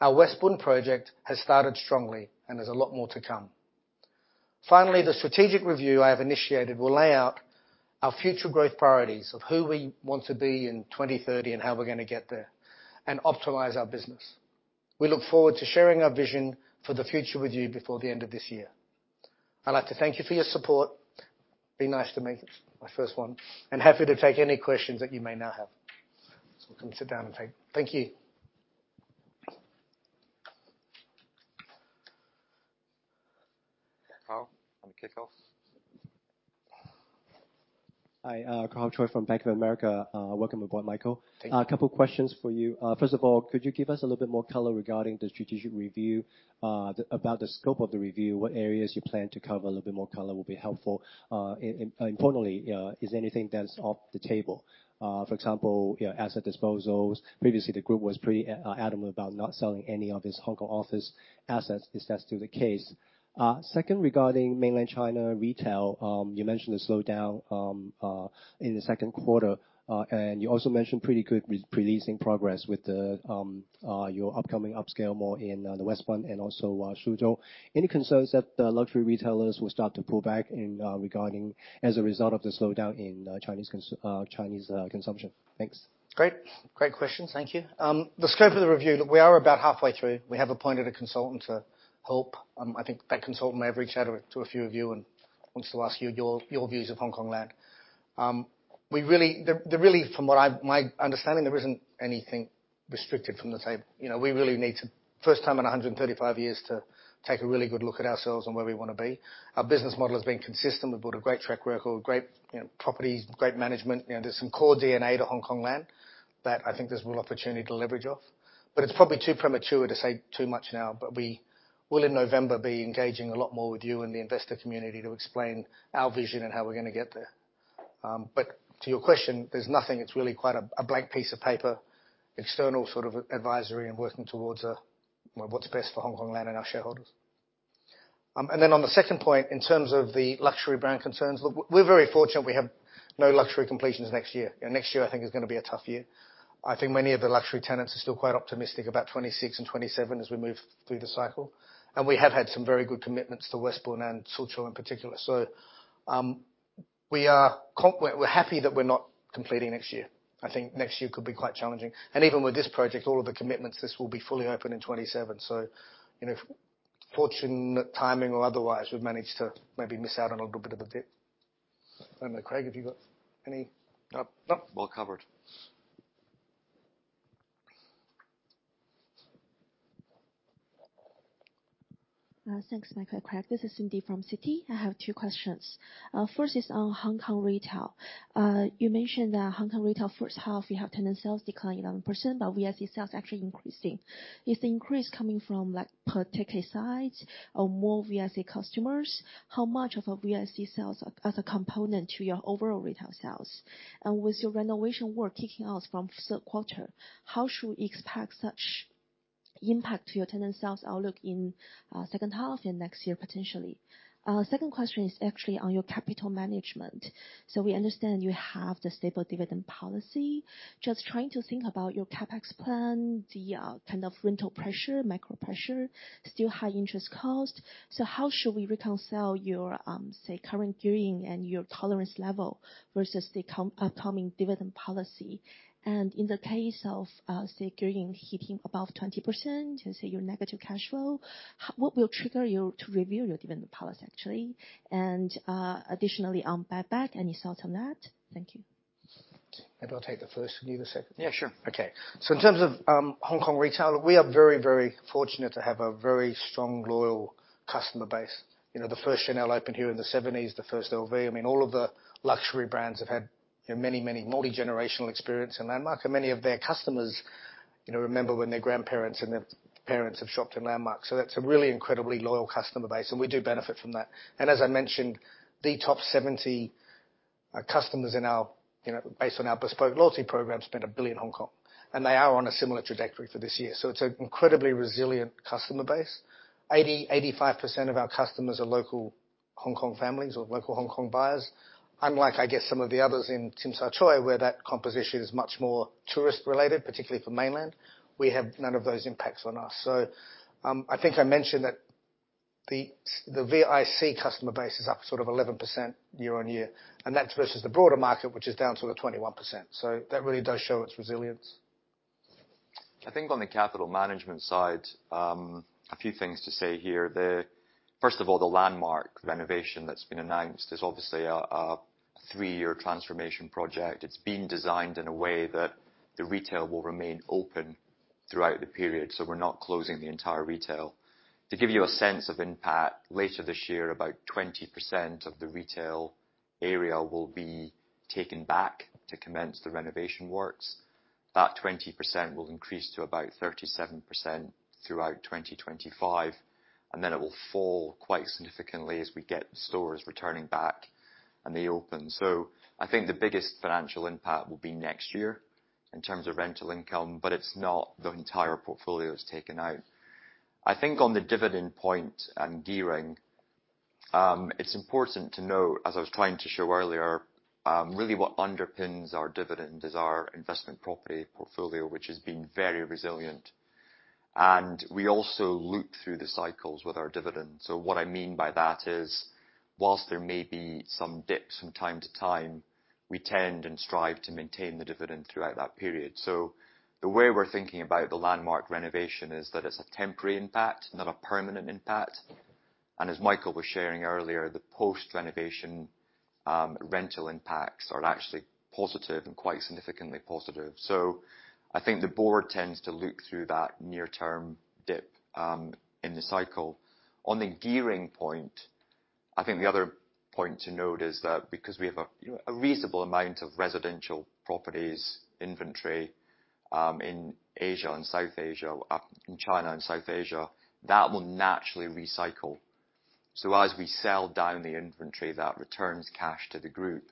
[SPEAKER 1] Our West Bund Central project has started strongly. There's a lot more to come. Finally, the strategic review I have initiated will lay out our future growth priorities of who we want to be in 2030 and how we're going to get there and optimize our business. We look forward to sharing our vision for the future with you before the end of this year. I'd like to thank you for your support. Be nice to meet, my first one, happy to take any questions that you may now have. I can sit down and take. Thank you.
[SPEAKER 3] Ka-hoi, want to kick off?
[SPEAKER 4] Hi, Ka-hoi Choi from Bank of America. Welcome aboard, Michael.
[SPEAKER 1] Thank you.
[SPEAKER 4] A couple questions for you. First of all, could you give us a little bit more color regarding the strategic review, about the scope of the review, what areas you plan to cover, a little bit more color will be helpful. Importantly, is there anything that's off the table? For example, asset disposals. Previously, the group was pretty adamant about not selling any of its Hong Kong office assets. Is that still the case? Second, regarding mainland China retail, you mentioned the slowdown in the second quarter, and you also mentioned pretty good pre-leasing progress with your upcoming upscale mall in the Westbund Central and also Suzhou. Any concerns that the luxury retailers will start to pull back as a result of the slowdown in Chinese consumption? Thanks.
[SPEAKER 1] Great. Great questions. Thank you. The scope of the review, look, we are about halfway through. We have appointed a consultant to help. I think that consultant may have reached out to a few of you and wants to ask you your views of Hongkong Land. From my understanding, there isn't anything restricted from the table. First time in 135 years to take a really good look at ourselves and where we want to be. Our business model has been consistent. We've built a great track record, great properties, great management. There's some core DNA to Hongkong Land that I think there's real opportunity to leverage off. It's probably too premature to say too much now, we will, in November, be engaging a lot more with you and the investor community to explain our vision and how we're going to get there. To your question, there's nothing. It's really quite a blank piece of paper, external sort of advisory and working towards what's best for Hongkong Land and our shareholders. On the second point, in terms of the luxury brand concerns, look, we're very fortunate we have no luxury completions next year. Next year I think is going to be a tough year. I think many of the luxury tenants are still quite optimistic about 2026 and 2027 as we move through the cycle. We have had some very good commitments to West Bund and Tsim Sha Tsui in particular. We're happy that we're not completing next year. I think next year could be quite challenging. Even with this project, all of the commitments, this will be fully open in 2027. Fortunate timing or otherwise, we've managed to maybe miss out on a little bit of a dip. I don't know, Craig, have you got any
[SPEAKER 3] No.
[SPEAKER 1] No?
[SPEAKER 3] Well covered.
[SPEAKER 5] Thanks, Michael and Craig. This is Cindy from Citi. I have two questions. First is on Hong Kong retail. You mentioned that Hong Kong retail first half, you have tenant sales declining 11%, but VIC sales actually increasing. Is the increase coming from particular sides or more VIC customers? How much of a VIC sales as a component to your overall retail sales? With your renovation work kicking off from third quarter, how should we expect such impact to your tenant sales outlook in second half and next year potentially? Second question is actually on your capital management. We understand you have the stable dividend policy. Just trying to think about your CapEx plan, the kind of rental pressure, macro pressure, still high interest cost. How should we reconcile your, say, current gearing and your tolerance level versus the upcoming dividend policy? In the case of, say, gearing hitting above 20%, let's say your negative cash flow, what will trigger you to review your dividend policy, actually? Additionally on buyback, any thoughts on that? Thank you.
[SPEAKER 1] Maybe I'll take the first and give you the second.
[SPEAKER 3] Yeah, sure.
[SPEAKER 1] Okay. In terms of Hong Kong retail, we are very fortunate to have a very strong, loyal customer base. The first Chanel opened here in the '70s, the first LV. I mean, all of the luxury brands have had many multi-generational experience in LANDMARK, and many of their customers remember when their grandparents and their parents have shopped in LANDMARK. That's a really incredibly loyal customer base, and we do benefit from that. As I mentioned, the top 70 customers based on our BESPOKE loyalty program, spent 1 billion Hong Kong. They are on a similar trajectory for this year. It's an incredibly resilient customer base. 85% of our customers are local Hong Kong families or local Hong Kong buyers. Unlike, I guess, some of the others in Tsim Sha Tsui, where that composition is much more tourist-related, particularly for Mainland. We have none of those impacts on us. I think I mentioned that the VIC customer base is up sort of 11% year-on-year, and that's versus the broader market, which is down sort of 21%. That really does show its resilience.
[SPEAKER 3] I think on the capital management side, a few things to say here. First of all, the LANDMARK renovation that's been announced is obviously a three-year transformation project. It's been designed in a way that the retail will remain open throughout the period. We're not closing the entire retail. To give you a sense of impact, later this year, about 20% of the retail area will be taken back to commence the renovation works. That 20% will increase to about 37% throughout 2025, and then it will fall quite significantly as we get stores returning back and they open. I think the biggest financial impact will be next year in terms of rental income, but it's not the entire portfolio is taken out. I think on the dividend point and gearing, it's important to note, as I was trying to show earlier, really what underpins our dividend is our investment property portfolio, which has been very resilient. We also loop through the cycles with our dividend. What I mean by that is, whilst there may be some dips from time to time, we tend and strive to maintain the dividend throughout that period. The way we're thinking about the LANDMARK renovation is that it's a temporary impact, not a permanent impact. As Michael was sharing earlier, the post-renovation rental impacts are actually positive and quite significantly positive. I think the board tends to look through that near term dip in the cycle. On the gearing point, I think the other point to note is that because we have a reasonable amount of residential properties inventory in Asia and Southeast Asia, in China and Southeast Asia, that will naturally recycle. As we sell down the inventory, that returns cash to the group,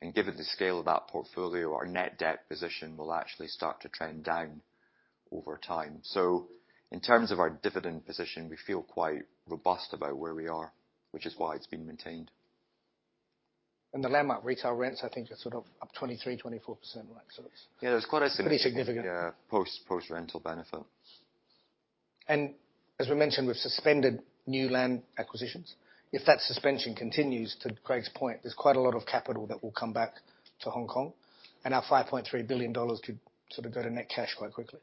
[SPEAKER 3] and given the scale of that portfolio, our net debt position will actually start to trend down over time. In terms of our dividend position, we feel quite robust about where we are, which is why it's been maintained.
[SPEAKER 1] The LANDMARK retail rents I think are sort of up 23%-24%, right?
[SPEAKER 3] Yeah, there's quite a.
[SPEAKER 1] pretty significant.
[SPEAKER 3] Yeah, post-rental benefit.
[SPEAKER 1] As we mentioned, we've suspended new land acquisitions. If that suspension continues, to Craig's point, there's quite a lot of capital that will come back to Hong Kong, and our $5.3 billion could sort of go to net cash quite quickly.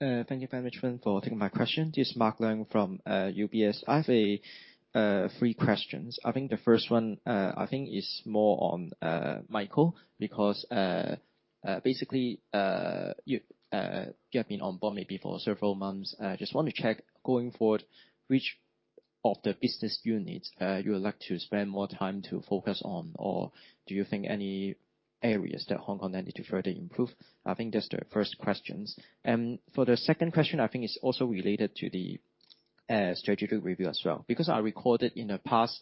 [SPEAKER 3] Question.
[SPEAKER 6] Thank you very much for taking my question. This is Mark Leung from UBS. I have three questions. The first one I think is more on Michael because, basically you have been on board maybe for several months. I just want to check, going forward, of the business units you would like to spend more time to focus on, or do you think any areas that Hongkong need to further improve? I think that's the first questions. For the second question, I think it's also related to the strategic review as well, because I recalled in the past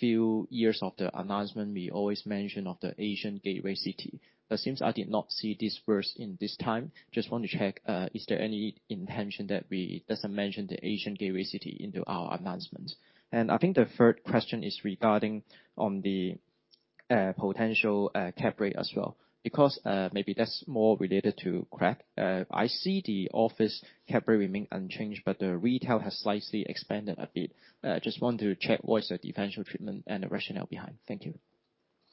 [SPEAKER 6] few years of the announcement, we always mention of the Asian Gateway Cities. Since I did not see this first in this time, just want to check, is there any intention that we doesn't mention the Asian Gateway Cities into our announcements? I think the third question is regarding on the potential, cap rate as well, because, maybe that's more related to Craig. I see the office cap rate remain unchanged, but the retail has slightly expanded a bit. Just want to check what is the differential treatment and the rationale behind. Thank you.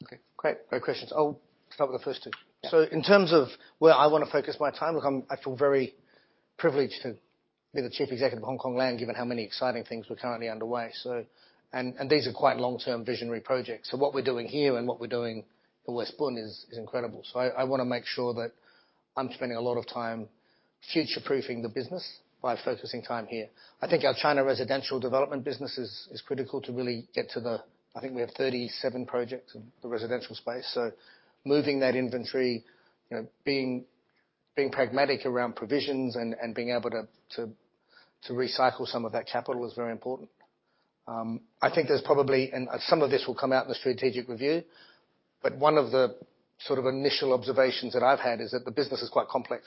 [SPEAKER 1] Okay, great. Great questions. I'll start with the first two.
[SPEAKER 6] Yeah.
[SPEAKER 1] In terms of where I want to focus my time, look, I feel very privileged to be the Chief Executive of Hongkong Land, given how many exciting things we're currently underway. These are quite long-term visionary projects. What we're doing here and what we're doing in West Bund Central is incredible. I want to make sure that I'm spending a lot of time future-proofing the business by focusing time here. I think our China residential development business is critical to really get to the we have 37 projects in the residential space, moving that inventory, being pragmatic around provisions and being able to recycle some of that capital is very important. I think there's probably, some of this will come out in the strategic review, one of the sort of initial observations that I've had is that the business is quite complex,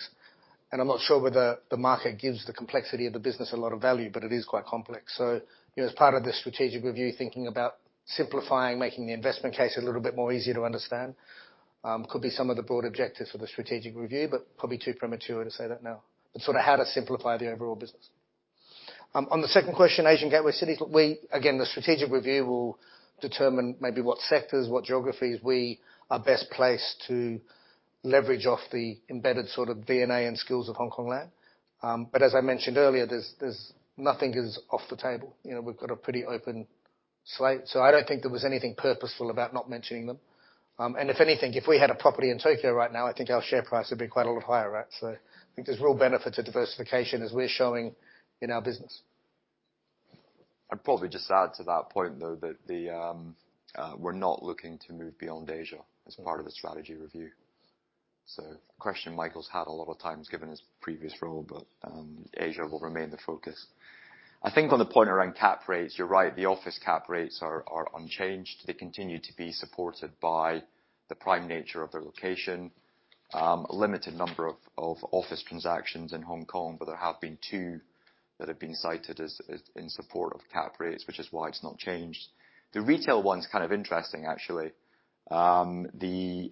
[SPEAKER 1] I'm not sure whether the market gives the complexity of the business a lot of value, it is quite complex. As part of this strategic review, thinking about simplifying, making the investment case a little bit more easy to understand, could be some of the broad objectives for the strategic review, probably too premature to say that now. Sort of how to simplify the overall business. On the second question, Asian Gateway Cities, again, the strategic review will determine maybe what sectors, what geographies we are best placed to leverage off the embedded sort of DNA and skills of Hongkong Land. As I mentioned earlier, nothing is off the table. We've got a pretty open slate. I don't think there was anything purposeful about not mentioning them. If anything, if we had a property in Tokyo right now, I think our share price would be quite a lot higher. I think there's real benefit to diversification as we're showing in our business.
[SPEAKER 3] I'd probably just add to that point, though, that we're not looking to move beyond Asia as part of the strategy review. A question Michael's had a lot of times given his previous role, Asia will remain the focus. I think on the point around cap rates, you're right, the office cap rates are unchanged. They continue to be supported by the prime nature of the location. A limited number of office transactions in Hong Kong, there have been two that have been cited as in support of cap rates, which is why it's not changed. The retail one's kind of interesting, actually. The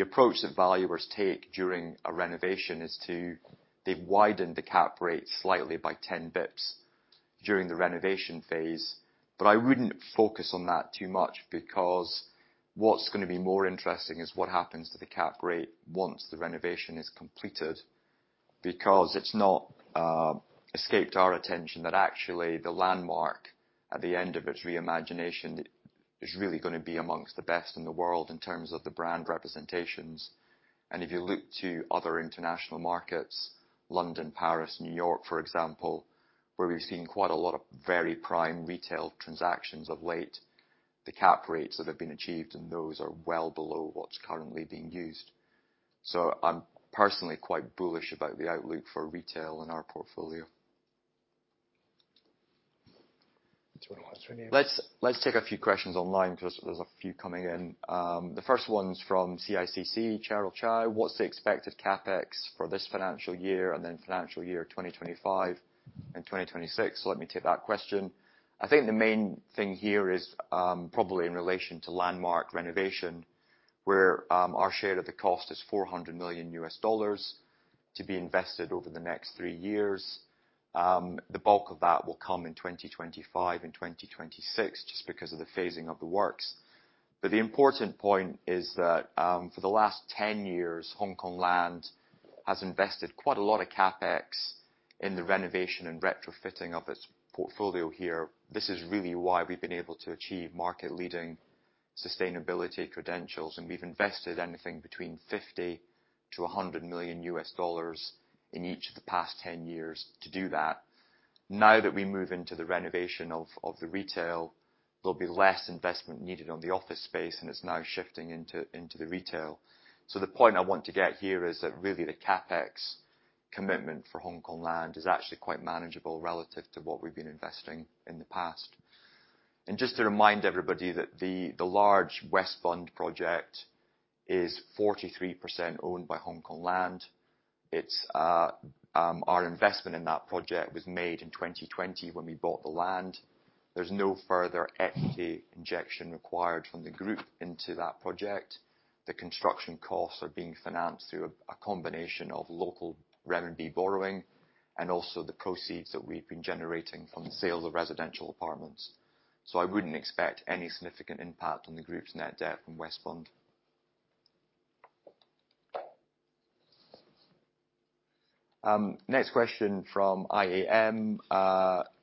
[SPEAKER 3] approach that valuers take during a renovation is to, they've widened the cap rate slightly by 10 basis points during the renovation phase. I wouldn't focus on that too much because what's going to be more interesting is what happens to the cap rate once the renovation is completed. Because it's not escaped our attention that actually the LANDMARK at the end of its re-imagination is really going to be amongst the best in the world in terms of the brand representations. If you look to other international markets, London, Paris, New York, for example, where we've seen quite a lot of very prime retail transactions of late, the cap rates that have been achieved and those are well below what's currently being used. I'm personally quite bullish about the outlook for retail in our portfolio.
[SPEAKER 1] Do you want to answer any-
[SPEAKER 3] Let's take a few questions online because there's a few coming in. The first one's from CICC, Cheryl Chai. What's the expected CapEx for this financial year and then financial year 2025 and 2026? Let me take that question. I think the main thing here is probably in relation to LANDMARK renovation, where our share of the cost is $400 million to be invested over the next three years. The bulk of that will come in 2025 and 2026 just because of the phasing of the works. The important point is that for the last 10 years, Hongkong Land has invested quite a lot of CapEx in the renovation and retrofitting of its portfolio here. This is really why we've been able to achieve market leading sustainability credentials, we've invested anything between $50 million-$100 million in each of the past 10 years to do that. Now that we move into the renovation of the retail, there'll be less investment needed on the office space, it's now shifting into the retail. The point I want to get here is that really the CapEx commitment for Hongkong Land is actually quite manageable relative to what we've been investing in the past. Just to remind everybody that the large West Bund Central project is 43% owned by Hongkong Land. Our investment in that project was made in 2020 when we bought the land. There's no further equity injection required from the group into that project. The construction costs are being financed through a combination of local CNY borrowing and also the proceeds that we've been generating from sales of residential apartments. I wouldn't expect any significant impact on the group's net debt from West Bund Central. Next question from IAM.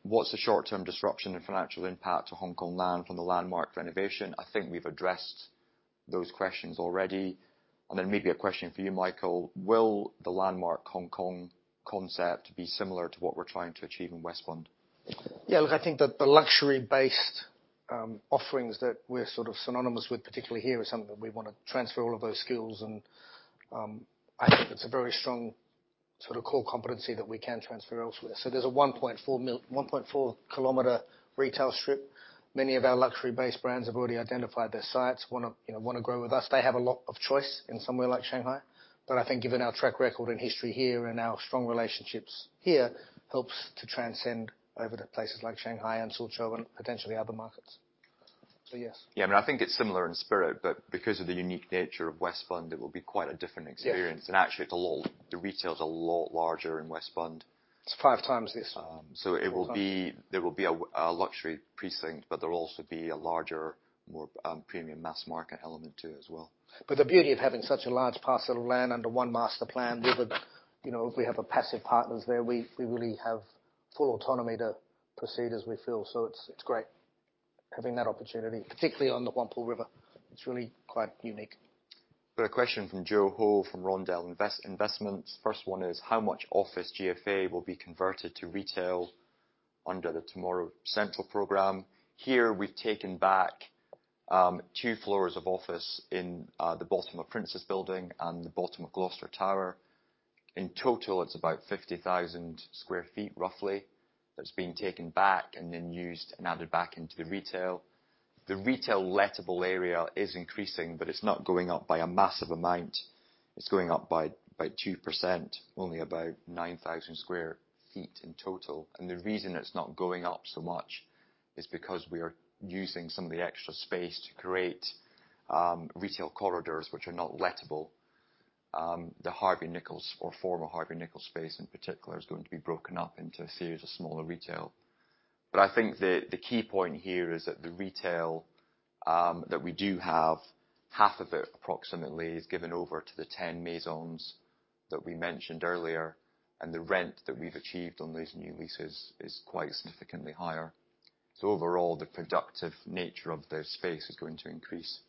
[SPEAKER 3] What's the short-term disruption and financial impact to Hongkong Land from the LANDMARK renovation? I think we've addressed those questions already. Maybe a question for you, Michael. Will the LANDMARK Hong Kong concept be similar to what we're trying to achieve in West Bund Central?
[SPEAKER 1] Look, I think that the luxury-based offerings that we're sort of synonymous with, particularly here, is something that we want to transfer all of those skills and I think it's a very strong sort of core competency that we can transfer elsewhere. There's a 1.4 kilometer retail strip. Many of our luxury-based brands have already identified their sites, want to grow with us. They have a lot of choice in somewhere like Shanghai. I think given our track record and history here and our strong relationships here, helps to transcend over to places like Shanghai and Suzhou and potentially other markets. Yes.
[SPEAKER 3] I mean, I think it's similar in spirit, Because of the unique nature of West Bund Central, it will be quite a different experience.
[SPEAKER 1] Yes.
[SPEAKER 3] Actually, the retail is a lot larger in West Bund Central.
[SPEAKER 1] It's five times this.
[SPEAKER 3] There will be a luxury precinct, there will also be a larger, more premium mass market element too, as well.
[SPEAKER 1] The beauty of having such a large parcel of land under one master plan, we have a passive partners there. We really have full autonomy to proceed as we feel. It's great having that opportunity, particularly on the Huangpu River. It's really quite unique.
[SPEAKER 3] Got a question from Joe Ho from Rondell Investments. First one is, how much office GFA will be converted to retail under the Tomorrow's CENTRAL program? Here we've taken back two floors of office in the bottom of Prince's Building and the bottom of Gloucester Tower. In total, it's about 50,000 sq ft, roughly, that's been taken back and then used and added back into the retail. The retail lettable area is increasing, but it's not going up by a massive amount. It's going up by 2%, only about 9,000 sq ft in total. The reason it's not going up so much is because we are using some of the extra space to create retail corridors, which are not lettable. The Harvey Nichols or former Harvey Nichols space in particular, is going to be broken up into a series of smaller retail. I think the key point here is that the retail that we do have, half of it approximately, is given over to the 10 Maisons that we mentioned earlier, and the rent that we've achieved on these new leases is quite significantly higher. Overall, the productive nature of the space is going to increase.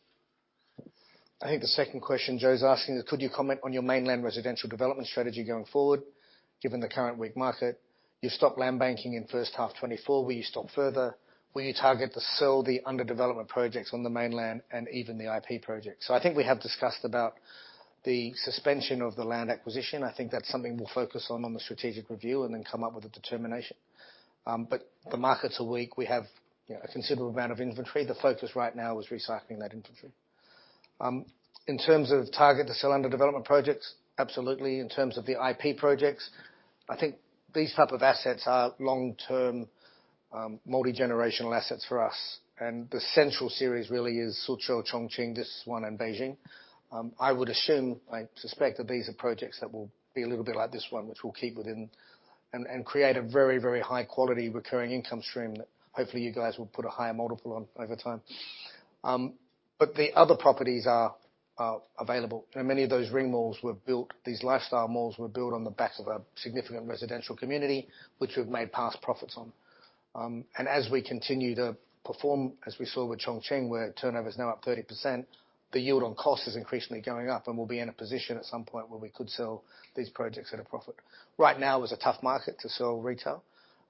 [SPEAKER 1] I think the second question Joe's asking is, could you comment on your mainland residential development strategy going forward, given the current weak market? You've stopped land banking in first half 2024. Will you stop further? Will you target to sell the under development projects on the mainland and even the IP projects? I think we have discussed about the suspension of the land acquisition. I think that's something we'll focus on the strategic review and then come up with a determination. The markets are weak. We have a considerable amount of inventory. The focus right now is recycling that inventory. In terms of target to sell under development projects, absolutely. In terms of the IP projects, I think these type of assets are long-term, multigenerational assets for us. The CENTRAL Series really is Suzhou, Chongqing, this one, and Beijing. I would assume, I suspect that these are projects that will be a little bit like this one, which we'll keep within and create a very high quality recurring income stream that hopefully you guys will put a higher multiple on over time. The other properties are available. Many of those ring malls were built, these lifestyle malls were built on the back of a significant residential community which we've made past profits on. As we continue to perform, as we saw with Chongqing, where turnover is now up 30%, the yield on cost is increasingly going up, and we'll be in a position at some point where we could sell these projects at a profit. Right now is a tough market to sell retail.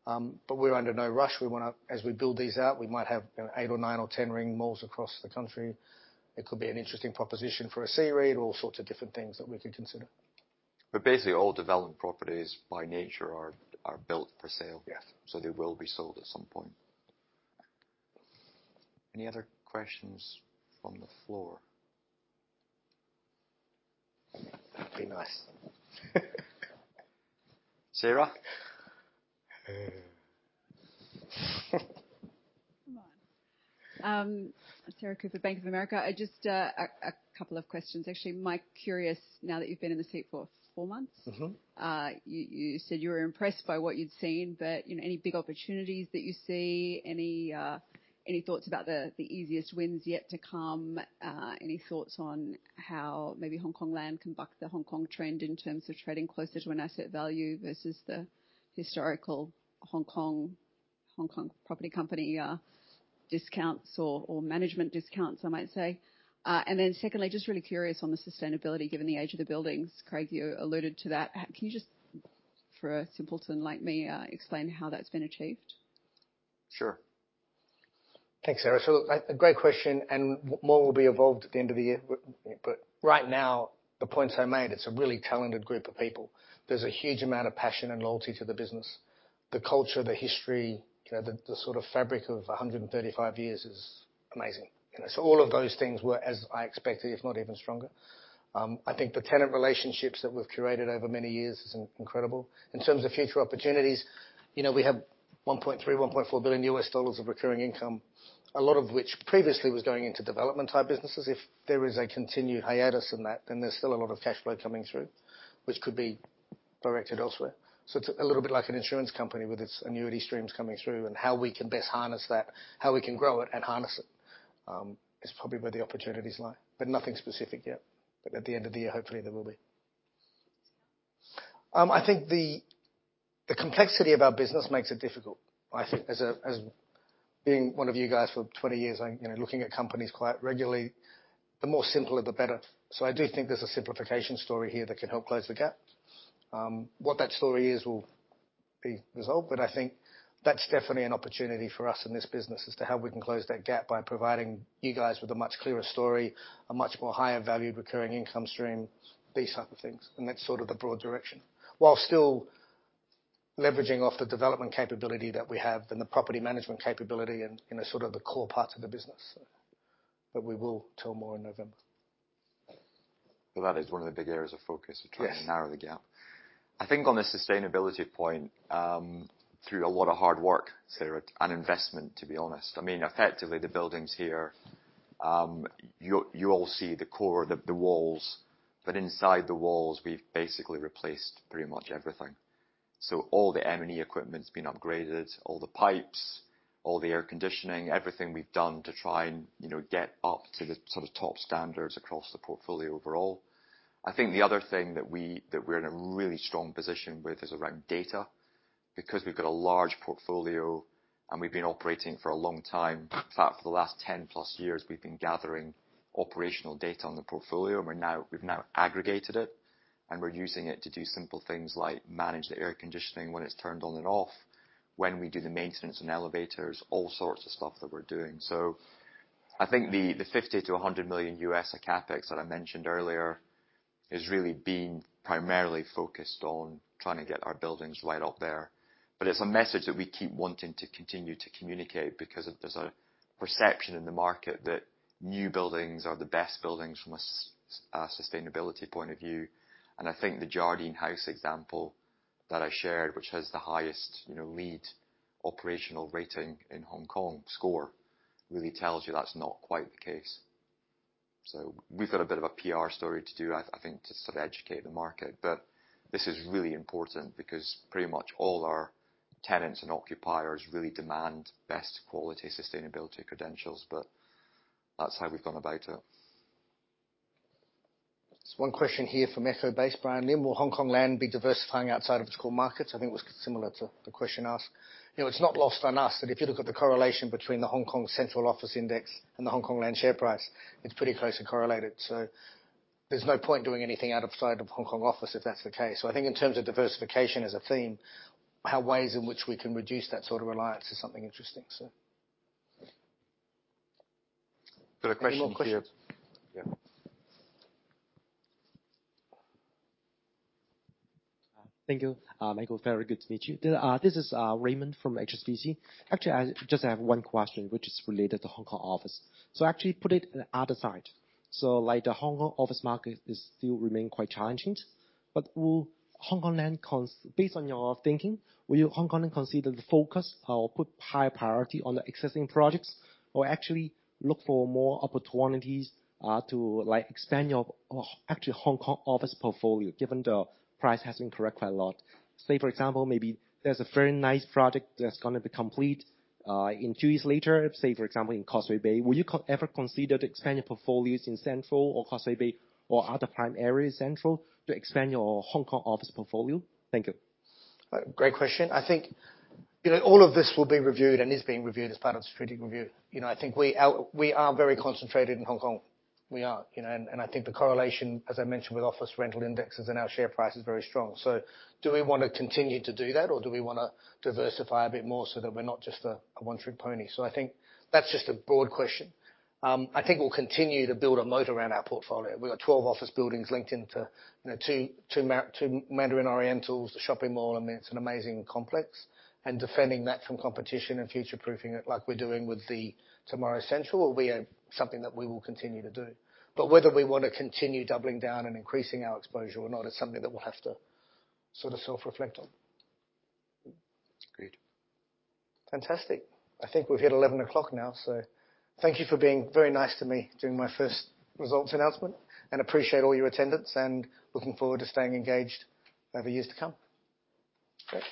[SPEAKER 1] We're under no rush. As we build these out, we might have eight or nine or 10 ring malls across the country. It could be an interesting proposition for a C-REIT, or all sorts of different things that we could consider.
[SPEAKER 3] Basically, all development properties by nature are built for sale.
[SPEAKER 1] Yes.
[SPEAKER 3] They will be sold at some point. Any other questions from the floor?
[SPEAKER 1] That'd be nice.
[SPEAKER 3] Sarah?
[SPEAKER 7] Come on. Sarah Cooper, Bank of America. Just a couple of questions, actually. Mike, curious, now that you've been in the seat for four months. You said you were impressed by what you'd seen. Any big opportunities that you see? Any thoughts about the easiest wins yet to come? Any thoughts on how maybe Hongkong Land can buck the Hong Kong trend in terms of trading closer to an asset value versus the historical Hong Kong property company discounts or management discounts, I might say? Secondly, just really curious on the sustainability, given the age of the buildings. Craig, you alluded to that. Can you just for a simpleton like me, explain how that's been achieved?
[SPEAKER 3] Sure.
[SPEAKER 1] Thanks, Sarah. A great question, and more will be evolved at the end of the year. Right now, the points I made, it's a really talented group of people. There's a huge amount of passion and loyalty to the business. The culture, the history, the sort of fabric of 135 years is amazing. All of those things were as I expected, if not even stronger. I think the tenant relationships that we've curated over many years is incredible. In terms of future opportunities, we have $1.3 billion-$1.4 billion of recurring income, a lot of which previously was going into development type businesses. If there is a continued hiatus in that, there's still a lot of cash flow coming through, which could be directed elsewhere. It's a little bit like an insurance company with its annuity streams coming through, and how we can best harness that, how we can grow it and harness it, is probably where the opportunities lie. Nothing specific yet. At the end of the year, hopefully there will be. I think the complexity of our business makes it difficult. I think as being one of you guys for 20 years, looking at companies quite regularly, the more simpler, the better. I do think there's a simplification story here that can help close the gap. What that story is will be resolved, I think that's definitely an opportunity for us in this business as to how we can close that gap by providing you guys with a much clearer story, a much more higher valued recurring income stream, these type of things, and that's sort of the broad direction. While still leveraging off the development capability that we have and the property management capability and sort of the core parts of the business. We will tell more in November.
[SPEAKER 3] That is one of the big areas of focus.
[SPEAKER 1] Yes
[SPEAKER 3] Of trying to narrow the gap. On the sustainability point, through a lot of hard work, Sarah, and investment, to be honest. The buildings here, you all see the core, the walls. Inside the walls, we've basically replaced pretty much everything. All the M&E equipment's been upgraded, all the pipes, all the air conditioning, everything we've done to try and get up to the sort of top standards across the portfolio overall. The other thing that we're in a really strong position with is around data, because we've got a large portfolio and we've been operating for a long time. For the last 10+ years, we've been gathering operational data on the portfolio and we've now aggregated it, and we're using it to do simple things like manage the air conditioning when it's turned on and off, when we do the maintenance on elevators, all sorts of stuff that we're doing. The $50 million-$100 million of CapEx that I mentioned earlier is really being primarily focused on trying to get our buildings right up there. It's a message that we keep wanting to continue to communicate because there's a perception in the market that new buildings are the best buildings from a sustainability point of view. The Jardine House example that I shared, which has the highest LEED operational rating in Hong Kong, score, really tells you that's not quite the case. We've got a bit of a PR story to do, I think, to sort of educate the market. This is really important because pretty much all our tenants and occupiers really demand best quality sustainability credentials, but that's how we've gone about it.
[SPEAKER 1] There's one question here from Eco Base, Brian Lim. Will Hongkong Land be diversifying outside of its core markets? I think it was similar to the question asked. It's not lost on us that if you look at the correlation between the Hong Kong Central Office Index and the Hongkong Land share price, it's pretty closely correlated. There's no point doing anything outside of Hong Kong office if that's the case. I think in terms of diversification as a theme, our ways in which we can reduce that sort of reliance is something interesting.
[SPEAKER 3] Got a question here.
[SPEAKER 1] Any more questions?
[SPEAKER 3] Yeah.
[SPEAKER 8] Thank you. Michael, very good to meet you. This is Raymond from HSBC. Actually, I just have one question, which is related to Hong Kong office. Actually, put it in the other side. Like the Hong Kong office market is still remain quite challenging, but based on your thinking, will Hongkong Land consider the focus or put high priority on the existing projects or actually look for more opportunities, to like extend your actual Hong Kong office portfolio, given the price has corrected quite a lot. Say, for example, maybe there's a very nice project that's going to be complete in two years later, say, for example, in Causeway Bay, will you ever consider to expand your portfolios in Central or Causeway Bay or other prime areas Central to expand your Hong Kong office portfolio? Thank you.
[SPEAKER 1] Great question. I think all of this will be reviewed and is being reviewed as part of the strategic review. I think we are very concentrated in Hong Kong. We are. I think the correlation, as I mentioned, with office rental indexes and our share price is very strong. Do we want to continue to do that or do we want to diversify a bit more so that we're not just a one-trick pony? I think that's just a broad question. I think we'll continue to build a moat around our portfolio. We've got 12 office buildings linked into two Mandarin Orientals, the shopping mall, I mean, it's an amazing complex. Defending that from competition and future-proofing it like we're doing with the Tomorrow's CENTRAL will be something that we will continue to do. Whether we want to continue doubling down and increasing our exposure or not is something that we'll have to sort of self-reflect on.
[SPEAKER 3] Great.
[SPEAKER 1] Fantastic. I think we've hit 11 o'clock now. Thank you for being very nice to me during my first results announcement and appreciate all your attendance and looking forward to staying engaged over years to come. Great.